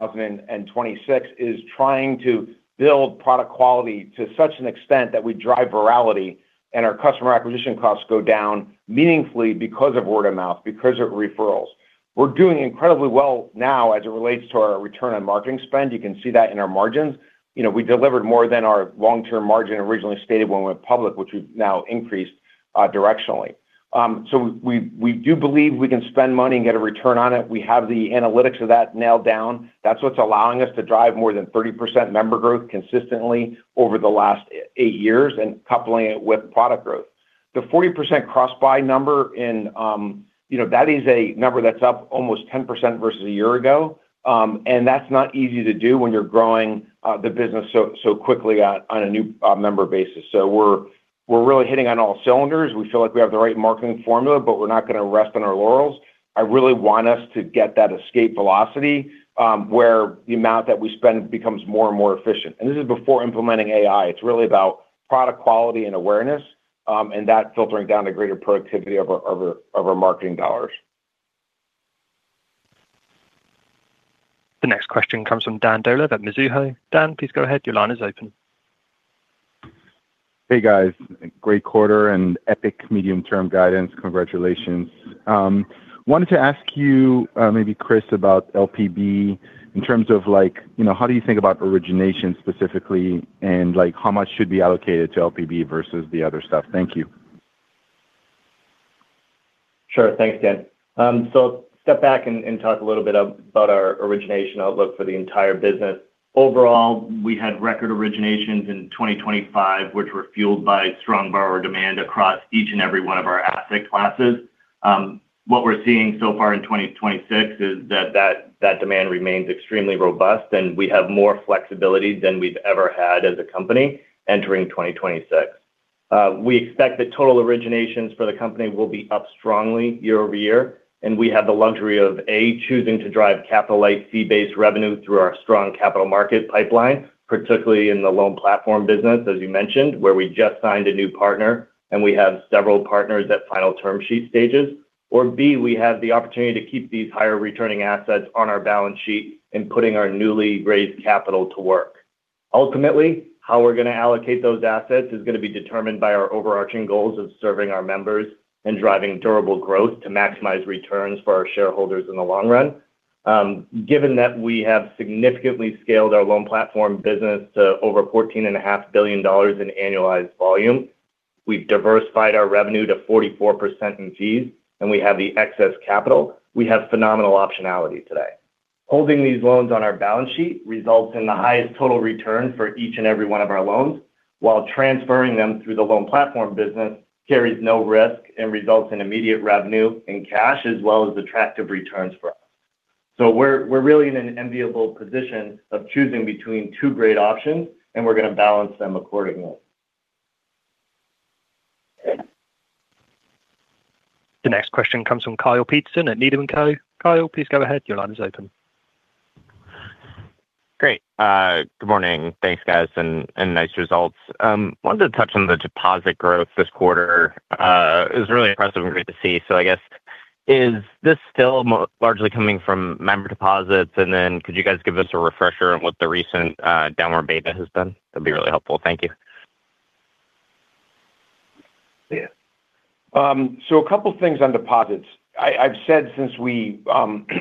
Speaker 3: in 2026 is trying to build product quality to such an extent that we drive virality and our customer acquisition costs go down meaningfully because of word of mouth, because of referrals. We're doing incredibly well now as it relates to our return on marketing spend. You can see that in our margins. You know, we delivered more than our long-term margin originally stated when we went public, which we've now increased, directionally. So we do believe we can spend money and get a return on it. We have the analytics of that nailed down. That's what's allowing us to drive more than 30% member growth consistently over the last eight years and coupling it with product growth. The 40% cross-buy number in, you know, that is a number that's up almost 10% versus a year ago. And that's not easy to do when you're growing, the business so, so quickly at, on a new, member basis. So we're, we're really hitting on all cylinders. We feel like we have the right marketing formula, but we're not gonna rest on our laurels. I really want us to get that escape velocity, where the amount that we spend becomes more and more efficient. And this is before implementing AI. It's really about product quality and awareness, and that filtering down to greater productivity of our, of our, of our marketing dollars.
Speaker 1: The next question comes from Dan Dolev at Mizuho. Dan, please go ahead. Your line is open.
Speaker 7: Hey, guys. Great quarter and epic medium-term guidance. Congratulations. Wanted to ask you, maybe Chris, about LPB in terms of like, you know, how do you think about origination specifically, and like, how much should be allocated to LPB versus the other stuff? Thank you.
Speaker 4: Sure. Thanks, Dan. So step back and talk a little bit about our origination outlook for the entire business. Overall, we had record originations in 2025, which were fueled by strong borrower demand across each and every one of our asset classes. What we're seeing so far in 2026 is that demand remains extremely robust, and we have more flexibility than we've ever had as a company entering 2026. We expect that total originations for the company will be up strongly year-over-year, and we have the luxury of, A, choosing to drive capital light, fee-based revenue through our strong capital market pipeline, particularly in the loan platform business, as you mentioned, where we just signed a new partner and we have several partners at final term sheet stages. Or B, we have the opportunity to keep these higher returning assets on our balance sheet and putting our newly raised capital to work. Ultimately, how we're going to allocate those assets is going to be determined by our overarching goals of serving our members and driving durable growth to maximize returns for our shareholders in the long run. Given that we have significantly scaled our loan platform business to over $14.5 billion in annualized volume, we've diversified our revenue to 44% in fees, and we have the excess capital. We have phenomenal optionality today. Holding these loans on our balance sheet results in the highest total return for each and every one of our loans, while transferring them through the loan platform business carries no risk and results in immediate revenue and cash, as well as attractive returns for us. So we're really in an enviable position of choosing between two great options, and we're going to balance them accordingly.
Speaker 1: The next question comes from Kyle Peterson at Needham & Co. Kyle, please go ahead. Your line is open.
Speaker 8: Great. Good morning. Thanks, guys, and nice results. Wanted to touch on the deposit growth this quarter. It was really impressive and great to see. So I guess, is this still largely coming from member deposits? And then could you guys give us a refresher on what the recent downward beta has been? That'd be really helpful. Thank you.
Speaker 3: So a couple of things on deposits. I've said since we opened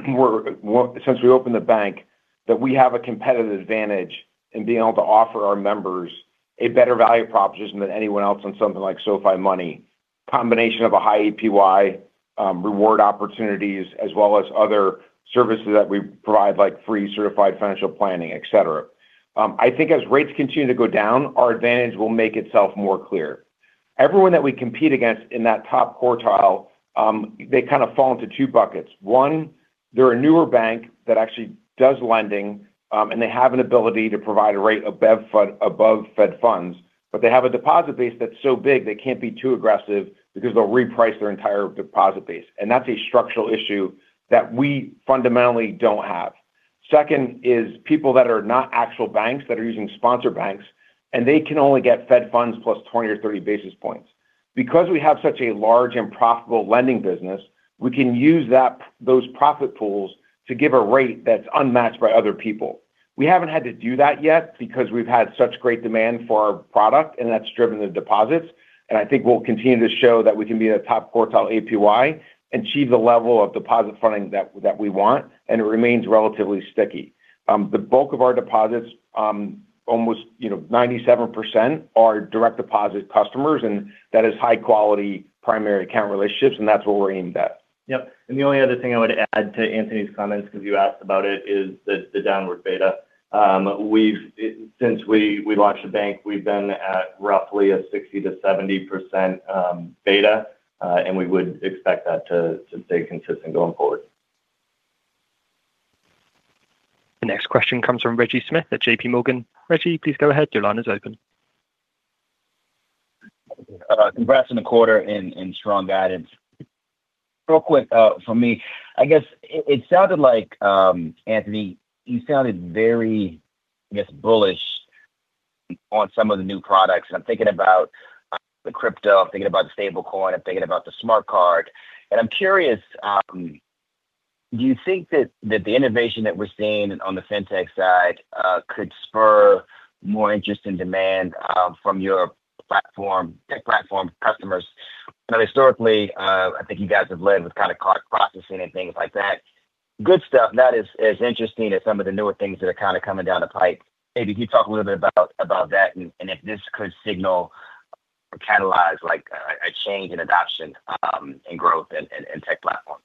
Speaker 3: the bank, that we have a competitive advantage in being able to offer our members a better value proposition than anyone else on something like SoFi Money. Combination of a high APY, reward opportunities, as well as other services that we provide, like free certified financial planning, et cetera. I think as rates continue to go down, our advantage will make itself more clear. Everyone that we compete against in that top quartile, they kind of fall into two buckets. One, they're a newer bank that actually does lending, and they have an ability to provide a rate above Fed, above Fed funds, but they have a deposit base that's so big they can't be too aggressive because they'll reprice their entire deposit base, and that's a structural issue that we fundamentally don't have. Second is people that are not actual banks, that are using sponsor banks, and they can only get Fed funds +20 or +30 basis points. Because we have such a large and profitable lending business, we can use those profit pools to give a rate that's unmatched by other people. We haven't had to do that yet because we've had such great demand for our product, and that's driven the deposits. I think we'll continue to show that we can be in a top quartile APY, achieve the level of deposit funding that we want, and it remains relatively sticky. The bulk of our deposits, almost, you know, 97% are direct deposit customers, and that is high quality primary account relationships, and that's what we're aimed at.
Speaker 4: Yep. And the only other thing I would add to Anthony's comments, because you asked about it, is the downward beta. Since we launched the bank, we've been at roughly a 60%-70% beta, and we would expect that to stay consistent going forward.
Speaker 1: The next question comes from Reggie Smith at JPMorgan. Reggie, please go ahead. Your line is open.
Speaker 9: Congrats on the quarter and strong guidance. Real quick, for me, I guess it sounded like, Anthony, you sounded very, I guess, bullish on some of the new products. I'm thinking about the crypto, I'm thinking about the stablecoin, I'm thinking about the smart card. And I'm curious, do you think that the innovation that we're seeing on the Fintech side could spur more interest and demand from your platform, tech platform customers? Now, historically, I think you guys have led with kind of card processing and things like that. Good stuff. Not as interesting as some of the newer things that are kind of coming down the pike. Maybe can you talk a little bit about that, and if this could signal or catalyze like a change in adoption and growth in tech platform?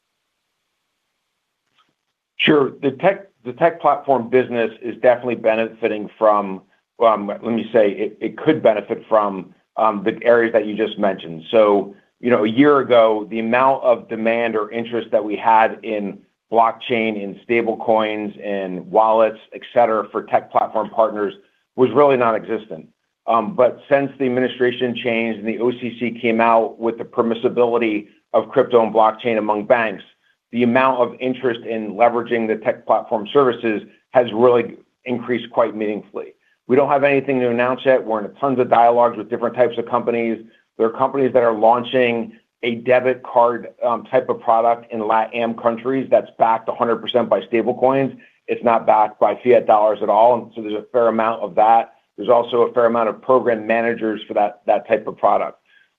Speaker 3: Sure. The tech, the tech platform business is definitely benefiting from—let me say, it could benefit from the areas that you just mentioned. So, you know, a year ago, the amount of demand or interest that we had in blockchain, in stablecoins, in wallets, et cetera, for tech platform partners was really nonexistent. But since the administration changed and the OCC came out with the permissibility of crypto and blockchain among banks, the amount of interest in leveraging the tech platform services has really increased quite meaningfully. We don't have anything to announce yet. We're in tons of dialogues with different types of companies. There are companies that are launching a debit card type of product in LatAm countries that's backed 100% by stablecoins. It's not backed by fiat dollars at all, and so there's a fair amount of that. There's also a fair amount of program managers for that, that type of product.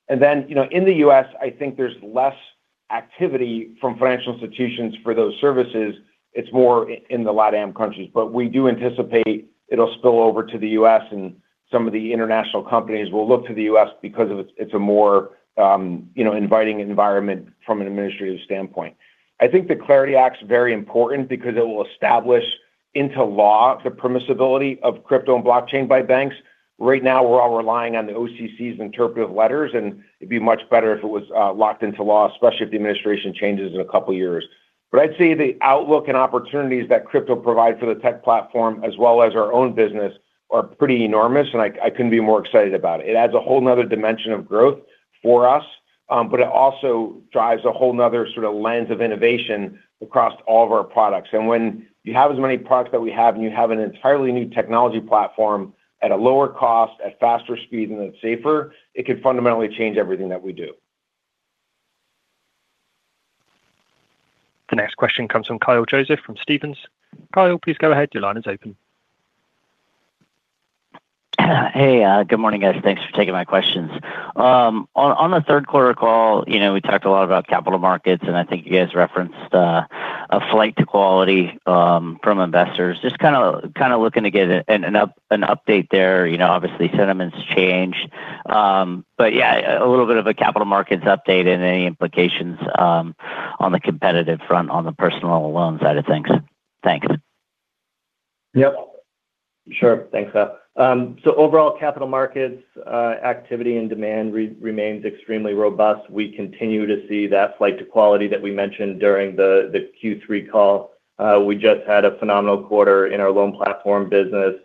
Speaker 3: And then, you know, in the U.S., I think there's less activity from financial institutions for those services. It's more in the LatAm countries. But we do anticipate it'll spill over to the U.S., and some of the international companies will look to the U.S. because it's a more, you know, inviting environment from an administrative standpoint. I think the CLARITY Act is very important because it will establish into law the permissibility of crypto and blockchain by banks. Right now, we're all relying on the OCC's interpretive letters, and it'd be much better if it was locked into law, especially if the administration changes in a couple of years. I'd say the outlook and opportunities that crypto provide for the tech platform as well as our own business are pretty enormous, and I couldn't be more excited about it. It adds a whole another dimension of growth for us, but it also drives a whole another sort of lens of innovation across all of our products. When you have as many products that we have, and you have an entirely new technology platform at a lower cost, at faster speed, and it's safer, it could fundamentally change everything that we do.
Speaker 1: The next question comes from Kyle Joseph from Stephens. Kyle, please go ahead. Your line is open.
Speaker 10: Hey, good morning, guys. Thanks for taking my questions. On the third quarter call, you know, we talked a lot about capital markets, and I think you guys referenced a flight to quality from investors. Just kinda looking to get an update there. You know, obviously, sentiments change. But yeah, a little bit of a capital markets update and any implications on the competitive front, on the personal loan side of things. Thanks.
Speaker 4: Yep. Sure. Thanks, Kyle. So overall, capital markets activity and demand remains extremely robust. We continue to see that flight to quality that we mentioned during the Q3 call. We just had a phenomenal quarter in our loan platform business,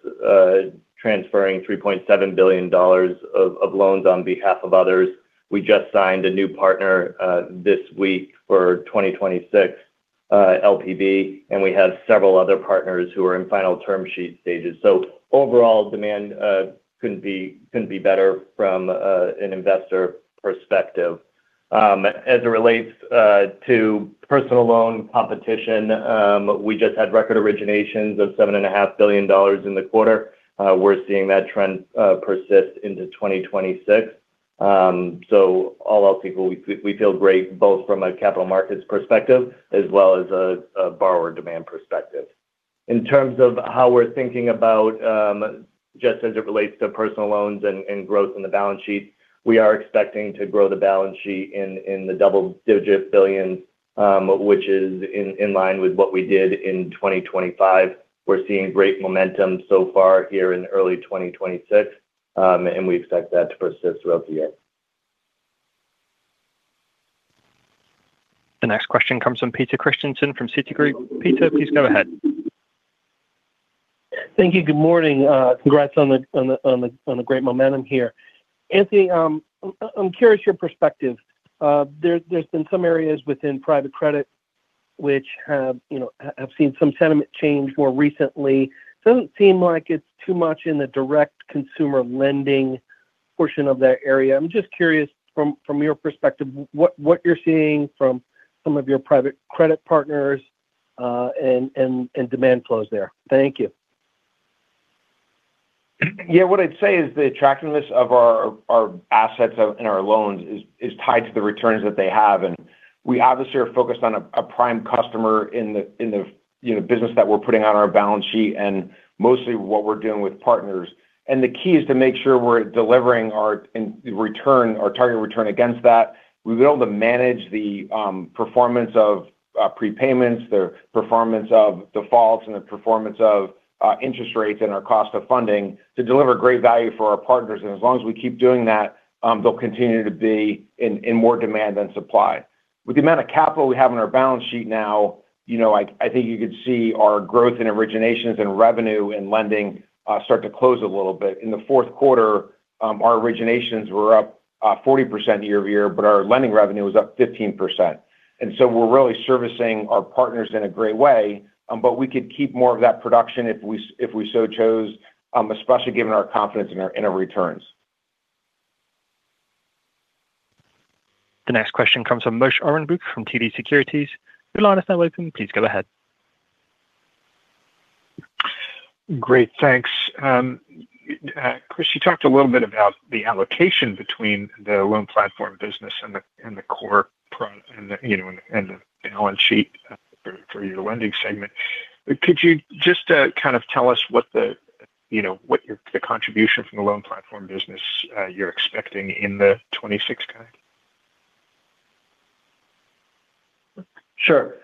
Speaker 4: transferring $3.7 billion of loans on behalf of others. We just signed a new partner this week for 2026, LPB, and we have several other partners who are in final term sheet stages. So overall demand couldn't be better from an investor perspective. As it relates to personal loan competition, we just had record originations of $7.5 billion in the quarter. We're seeing that trend persist into 2026. So all else equal, we feel great both from a capital markets perspective as well as a borrower demand perspective. In terms of how we're thinking about just as it relates to personal loans and growth on the balance sheet, we are expecting to grow the balance sheet in the double-digit billion, which is in line with what we did in 2025. We're seeing great momentum so far here in early 2026, and we expect that to persist throughout the year.
Speaker 1: The next question comes from Peter Christiansen from Citigroup. Peter, please go ahead.
Speaker 11: Thank you. Good morning. Congrats on the great momentum here. Anthony, I'm curious your perspective. There's been some areas within private credit which have, you know, seen some sentiment change more recently. Doesn't seem like it's too much in the direct consumer lending portion of that area. I'm just curious, from your perspective, what you're seeing from some of your private credit partners, and demand flows there. Thank you.
Speaker 3: Yeah. What I'd say is the attractiveness of our assets and our loans is tied to the returns that they have, and we obviously are focused on a prime customer in the, you know, business that we're putting on our balance sheet, and mostly what we're doing with partners. And the key is to make sure we're delivering our in-return, our target return against that. We've been able to manage the performance of prepayments, the performance of defaults, and the performance of interest rates and our cost of funding to deliver great value for our partners. And as long as we keep doing that, they'll continue to be in more demand than supply. With the amount of capital we have on our balance sheet now, you know, I think you could see our growth in originations and revenue and lending start to close a little bit. In the fourth quarter, our originations were up 40% year-over-year, but our lending revenue was up 15%. And so we're really servicing our partners in a great way, but we could keep more of that production if we, if we so chose, especially given our confidence in our, in our returns.
Speaker 1: The next question comes from Moshe Orenbuch from TD Securities. Your line is now open. Please go ahead.
Speaker 12: Great. Thanks, Chris. You talked a little bit about the allocation between the Loan Platform Business and, you know, the balance sheet for your lending segment. Could you just kind of tell us what the contribution from the Loan Platform Business you're expecting in the 2026 guide?
Speaker 4: Sure.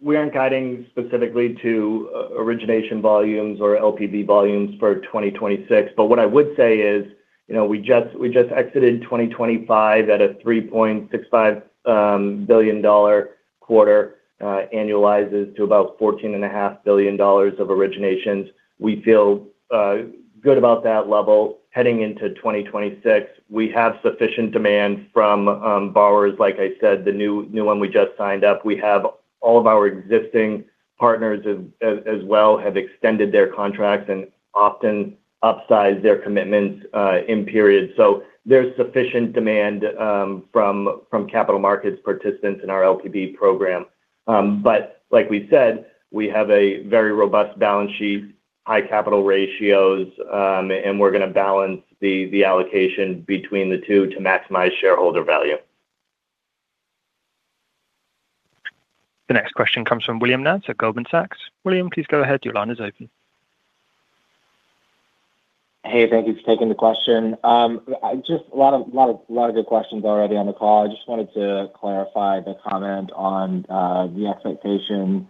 Speaker 4: We aren't guiding specifically to origination volumes or LPB volumes for 2026, but what I would say is, you know, we just exited 2025 at a $3.65 billion quarter, annualizes to about $14.5 billion of originations. We feel good about that level. Heading into 2026, we have sufficient demand from borrowers. Like I said, the new one we just signed up. We have all of our existing partners as well have extended their contracts and often upsized their commitments in periods. So there's sufficient demand from capital markets participants in our LPB program. But like we said, we have a very robust balance sheet, high capital ratios, and we're going to balance the allocation between the two to maximize shareholder value.
Speaker 1: The next question comes from William Nance at Goldman Sachs. William, please go ahead. Your line is open.
Speaker 13: Hey, thank you for taking the question. Just a lot of good questions already on the call. I just wanted to clarify the comment on the expectation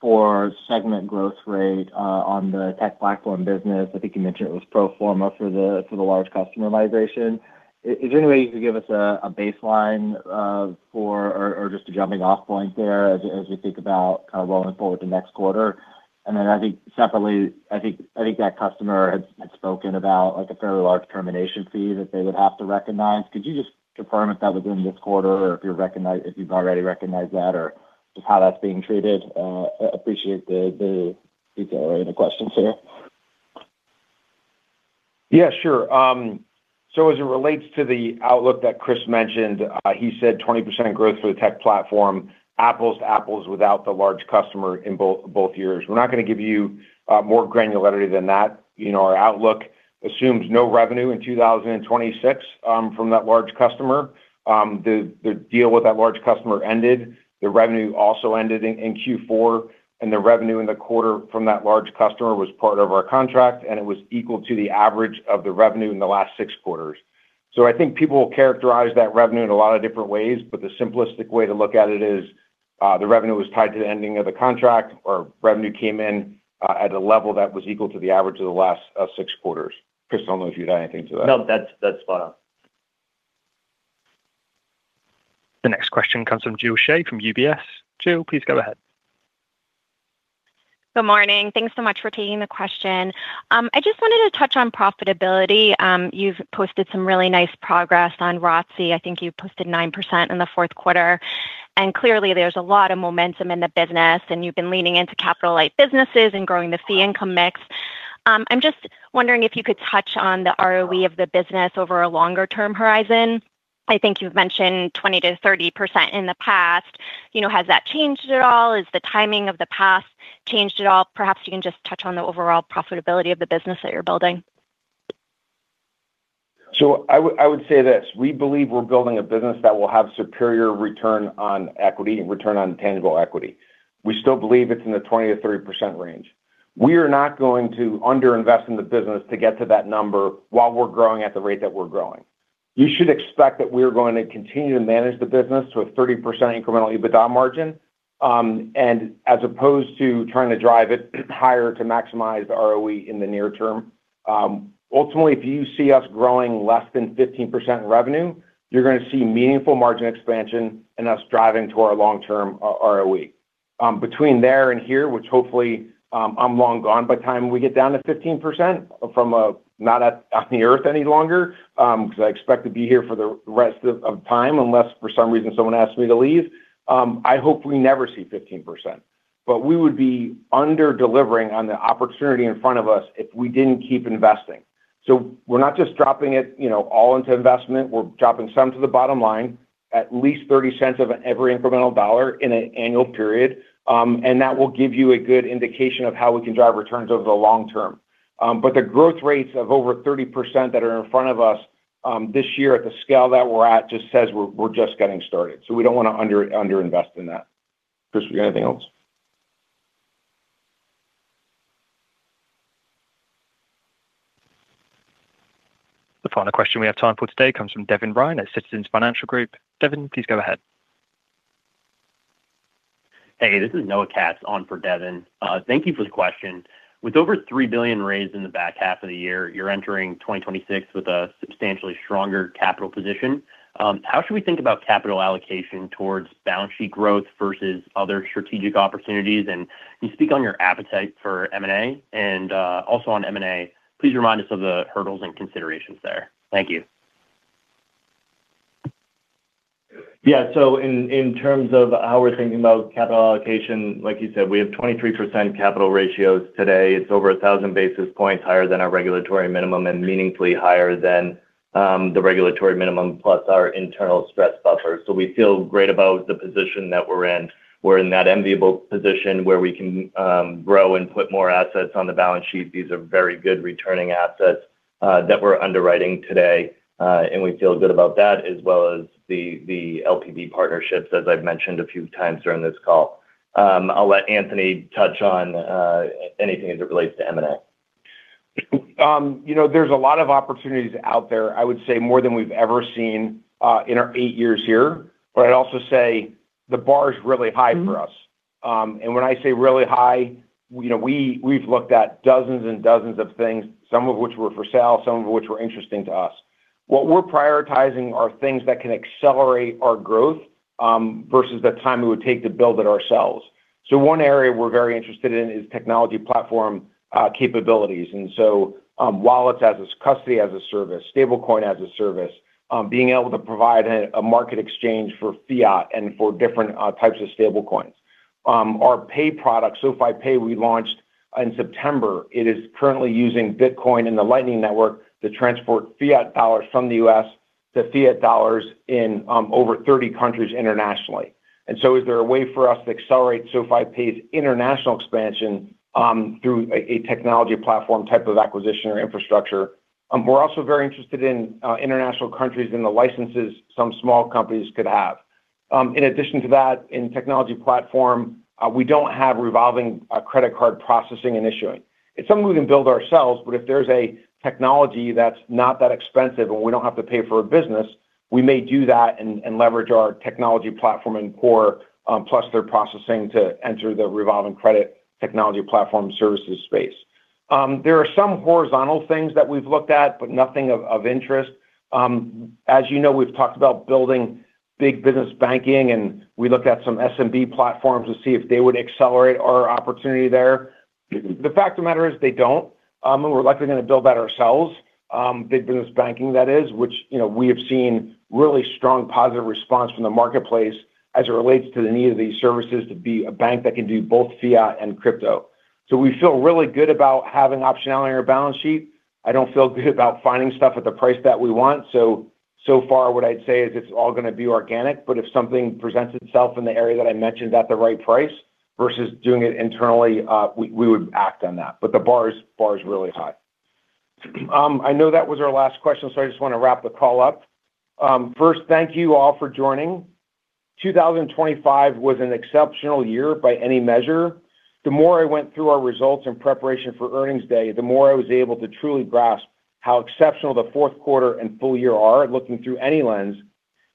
Speaker 13: for segment growth rate on the tech platform business. I think you mentioned it was pro forma for the large customer migration. Is there any way you could give us a baseline for or just a jumping-off point there as we think about kind of rolling forward to next quarter? And then I think separately, that customer had spoken about, like, a fairly large termination fee that they would have to recognize. Could you just confirm if that was in this quarter or if you've already recognized that or just how that's being treated? I appreciate the detail in the question, sir.
Speaker 3: Yeah, sure. So as it relates to the outlook that Chris mentioned, he said 20% growth for the tech platform, apples to apples, without the large customer in both years. We're not gonna give you more granularity than that. You know, our outlook assumes no revenue in 2026 from that large customer. The deal with that large customer ended. The revenue also ended in Q4, and the revenue in the quarter from that large customer was part of our contract, and it was equal to the average of the revenue in the last six quarters. So I think people will characterize that revenue in a lot of different ways, but the simplistic way to look at it is, the revenue was tied to the ending of the contract, or revenue came in, at a level that was equal to the average of the last, six quarters. Chris, I don't know if you'd add anything to that.
Speaker 4: No, that's, that's spot on.
Speaker 1: The next question comes from Jill Shea from UBS. Jill, please go ahead.
Speaker 14: Good morning. Thanks so much for taking the question. I just wanted to touch on profitability. You've posted some really nice progress on ROTCE. I think you've posted 9% in the fourth quarter, and clearly, there's a lot of momentum in the business, and you've been leaning into capital-light businesses and growing the fee income mix. I'm just wondering if you could touch on the ROE of the business over a longer-term horizon. I think you've mentioned 20%-30% in the past. You know, has that changed at all? Has the timing of the past changed at all? Perhaps you can just touch on the overall profitability of the business that you're building.
Speaker 3: So I would, I would say this: we believe we're building a business that will have superior return on equity and return on tangible equity. We still believe it's in the 20%-30% range. We are not going to underinvest in the business to get to that number while we're growing at the rate that we're growing. You should expect that we're going to continue to manage the business with 30% incremental EBITDA margin, and as opposed to trying to drive it higher to maximize the ROE in the near term. Ultimately, if you see us growing less than 15% in revenue, you're gonna see meaningful margin expansion and us driving to our long-term ROE. Between there and here, which hopefully, I'm long gone by the time we get down to 15% from, not at, on the earth any longer, 'cause I expect to be here for the rest of, of time, unless for some reason someone asks me to leave. I hope we never see 15%, but we would be under-delivering on the opportunity in front of us if we didn't keep investing. So we're not just dropping it, you know, all into investment. We're dropping some to the bottom line, at least $0.30 of every incremental dollar in an annual period. And that will give you a good indication of how we can drive returns over the long term. But the growth rates of over 30% that are in front of us, this year at the scale that we're at, just says we're just getting started. So we don't wanna underinvest in that. Chris, you got anything else?
Speaker 1: The final question we have time for today comes from Devin Ryan at Citizens Financial Group. Devin, please go ahead.
Speaker 15: Hey, this is Noah Katz on for Devin. Thank you for the question. With over $3 billion raised in the back half of the year, you're entering 2026 with a substantially stronger capital position. How should we think about capital allocation towards balance sheet growth versus other strategic opportunities? And can you speak on your appetite for M&A? And, also on M&A, please remind us of the hurdles and considerations there. Thank you.
Speaker 4: Yeah. So in terms of how we're thinking about capital allocation, like you said, we have 23% capital ratios today. It's over 1,000 basis points higher than our regulatory minimum and meaningfully higher than the regulatory minimum, plus our internal stress buffer. So we feel great about the position that we're in. We're in that enviable position where we can grow and put more assets on the balance sheet. These are very good returning assets that we're underwriting today, and we feel good about that, as well as the LPB partnerships, as I've mentioned a few times during this call. I'll let Anthony touch on anything as it relates to M&A.
Speaker 3: You know, there's a lot of opportunities out there, I would say more than we've ever seen in our eight years here. But I'd also say the bar is really high for us. And when I say really high, you know, we've looked at dozens and dozens of things, some of which were for sale, some of which were interesting to us. What we're prioritizing are things that can accelerate our growth versus the time it would take to build it ourselves. So one area we're very interested in is technology platform capabilities. And so, wallets as a custody as a service, stablecoin as a service, being able to provide a market exchange for fiat and for different types of stablecoins. Our pay product, SoFi Pay, we launched in September. It is currently using Bitcoin and the Lightning Network to transport fiat dollars from the U.S. to fiat dollars in over 30 countries internationally. And so is there a way for us to accelerate SoFi Pay's international expansion through a technology platform type of acquisition or infrastructure? We're also very interested in international countries and the licenses some small companies could have. In addition to that, in technology platform, we don't have revolving credit card processing and issuing. It's something we can build ourselves, but if there's a technology that's not that expensive, and we don't have to pay for a business, we may do that and leverage our technology platform and core plus their processing to enter the revolving credit technology platform services space. There are some horizontal things that we've looked at, but nothing of interest. As you know, we've talked about building big business banking, and we looked at some SMB platforms to see if they would accelerate our opportunity there. The fact of the matter is, they don't. And we're likely gonna build that ourselves, big business banking, that is, which, you know, we have seen really strong positive response from the marketplace as it relates to the need of these services to be a bank that can do both fiat and crypto. So we feel really good about having optionality on our balance sheet. I don't feel good about finding stuff at the price that we want. So, so far what I'd say is it's all gonna be organic, but if something presents itself in the area that I mentioned at the right price versus doing it internally, we would act on that, but the bar is really high. I know that was our last question, so I just wanna wrap the call up. First, thank you all for joining. 2025 was an exceptional year by any measure. The more I went through our results in preparation for earnings day, the more I was able to truly grasp how exceptional the fourth quarter and full year are, looking through any lens,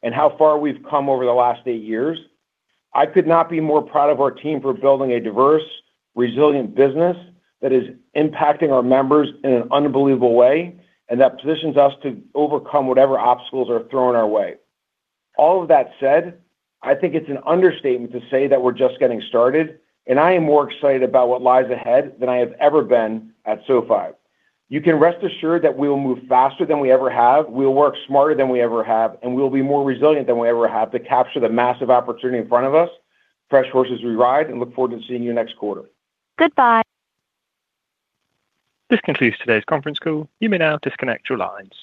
Speaker 3: and how far we've come over the last eight years. I could not be more proud of our team for building a diverse, resilient business that is impacting our members in an unbelievable way, and that positions us to overcome whatever obstacles are thrown our way. All of that said, I think it's an understatement to say that we're just getting started, and I am more excited about what lies ahead than I have ever been at SoFi. You can rest assured that we will move faster than we ever have, we'll work smarter than we ever have, and we'll be more resilient than we ever have to capture the massive opportunity in front of us. Fresh horses we ride, and look forward to seeing you next quarter.
Speaker 1: Goodbye. This concludes today's conference call. You may now disconnect your lines.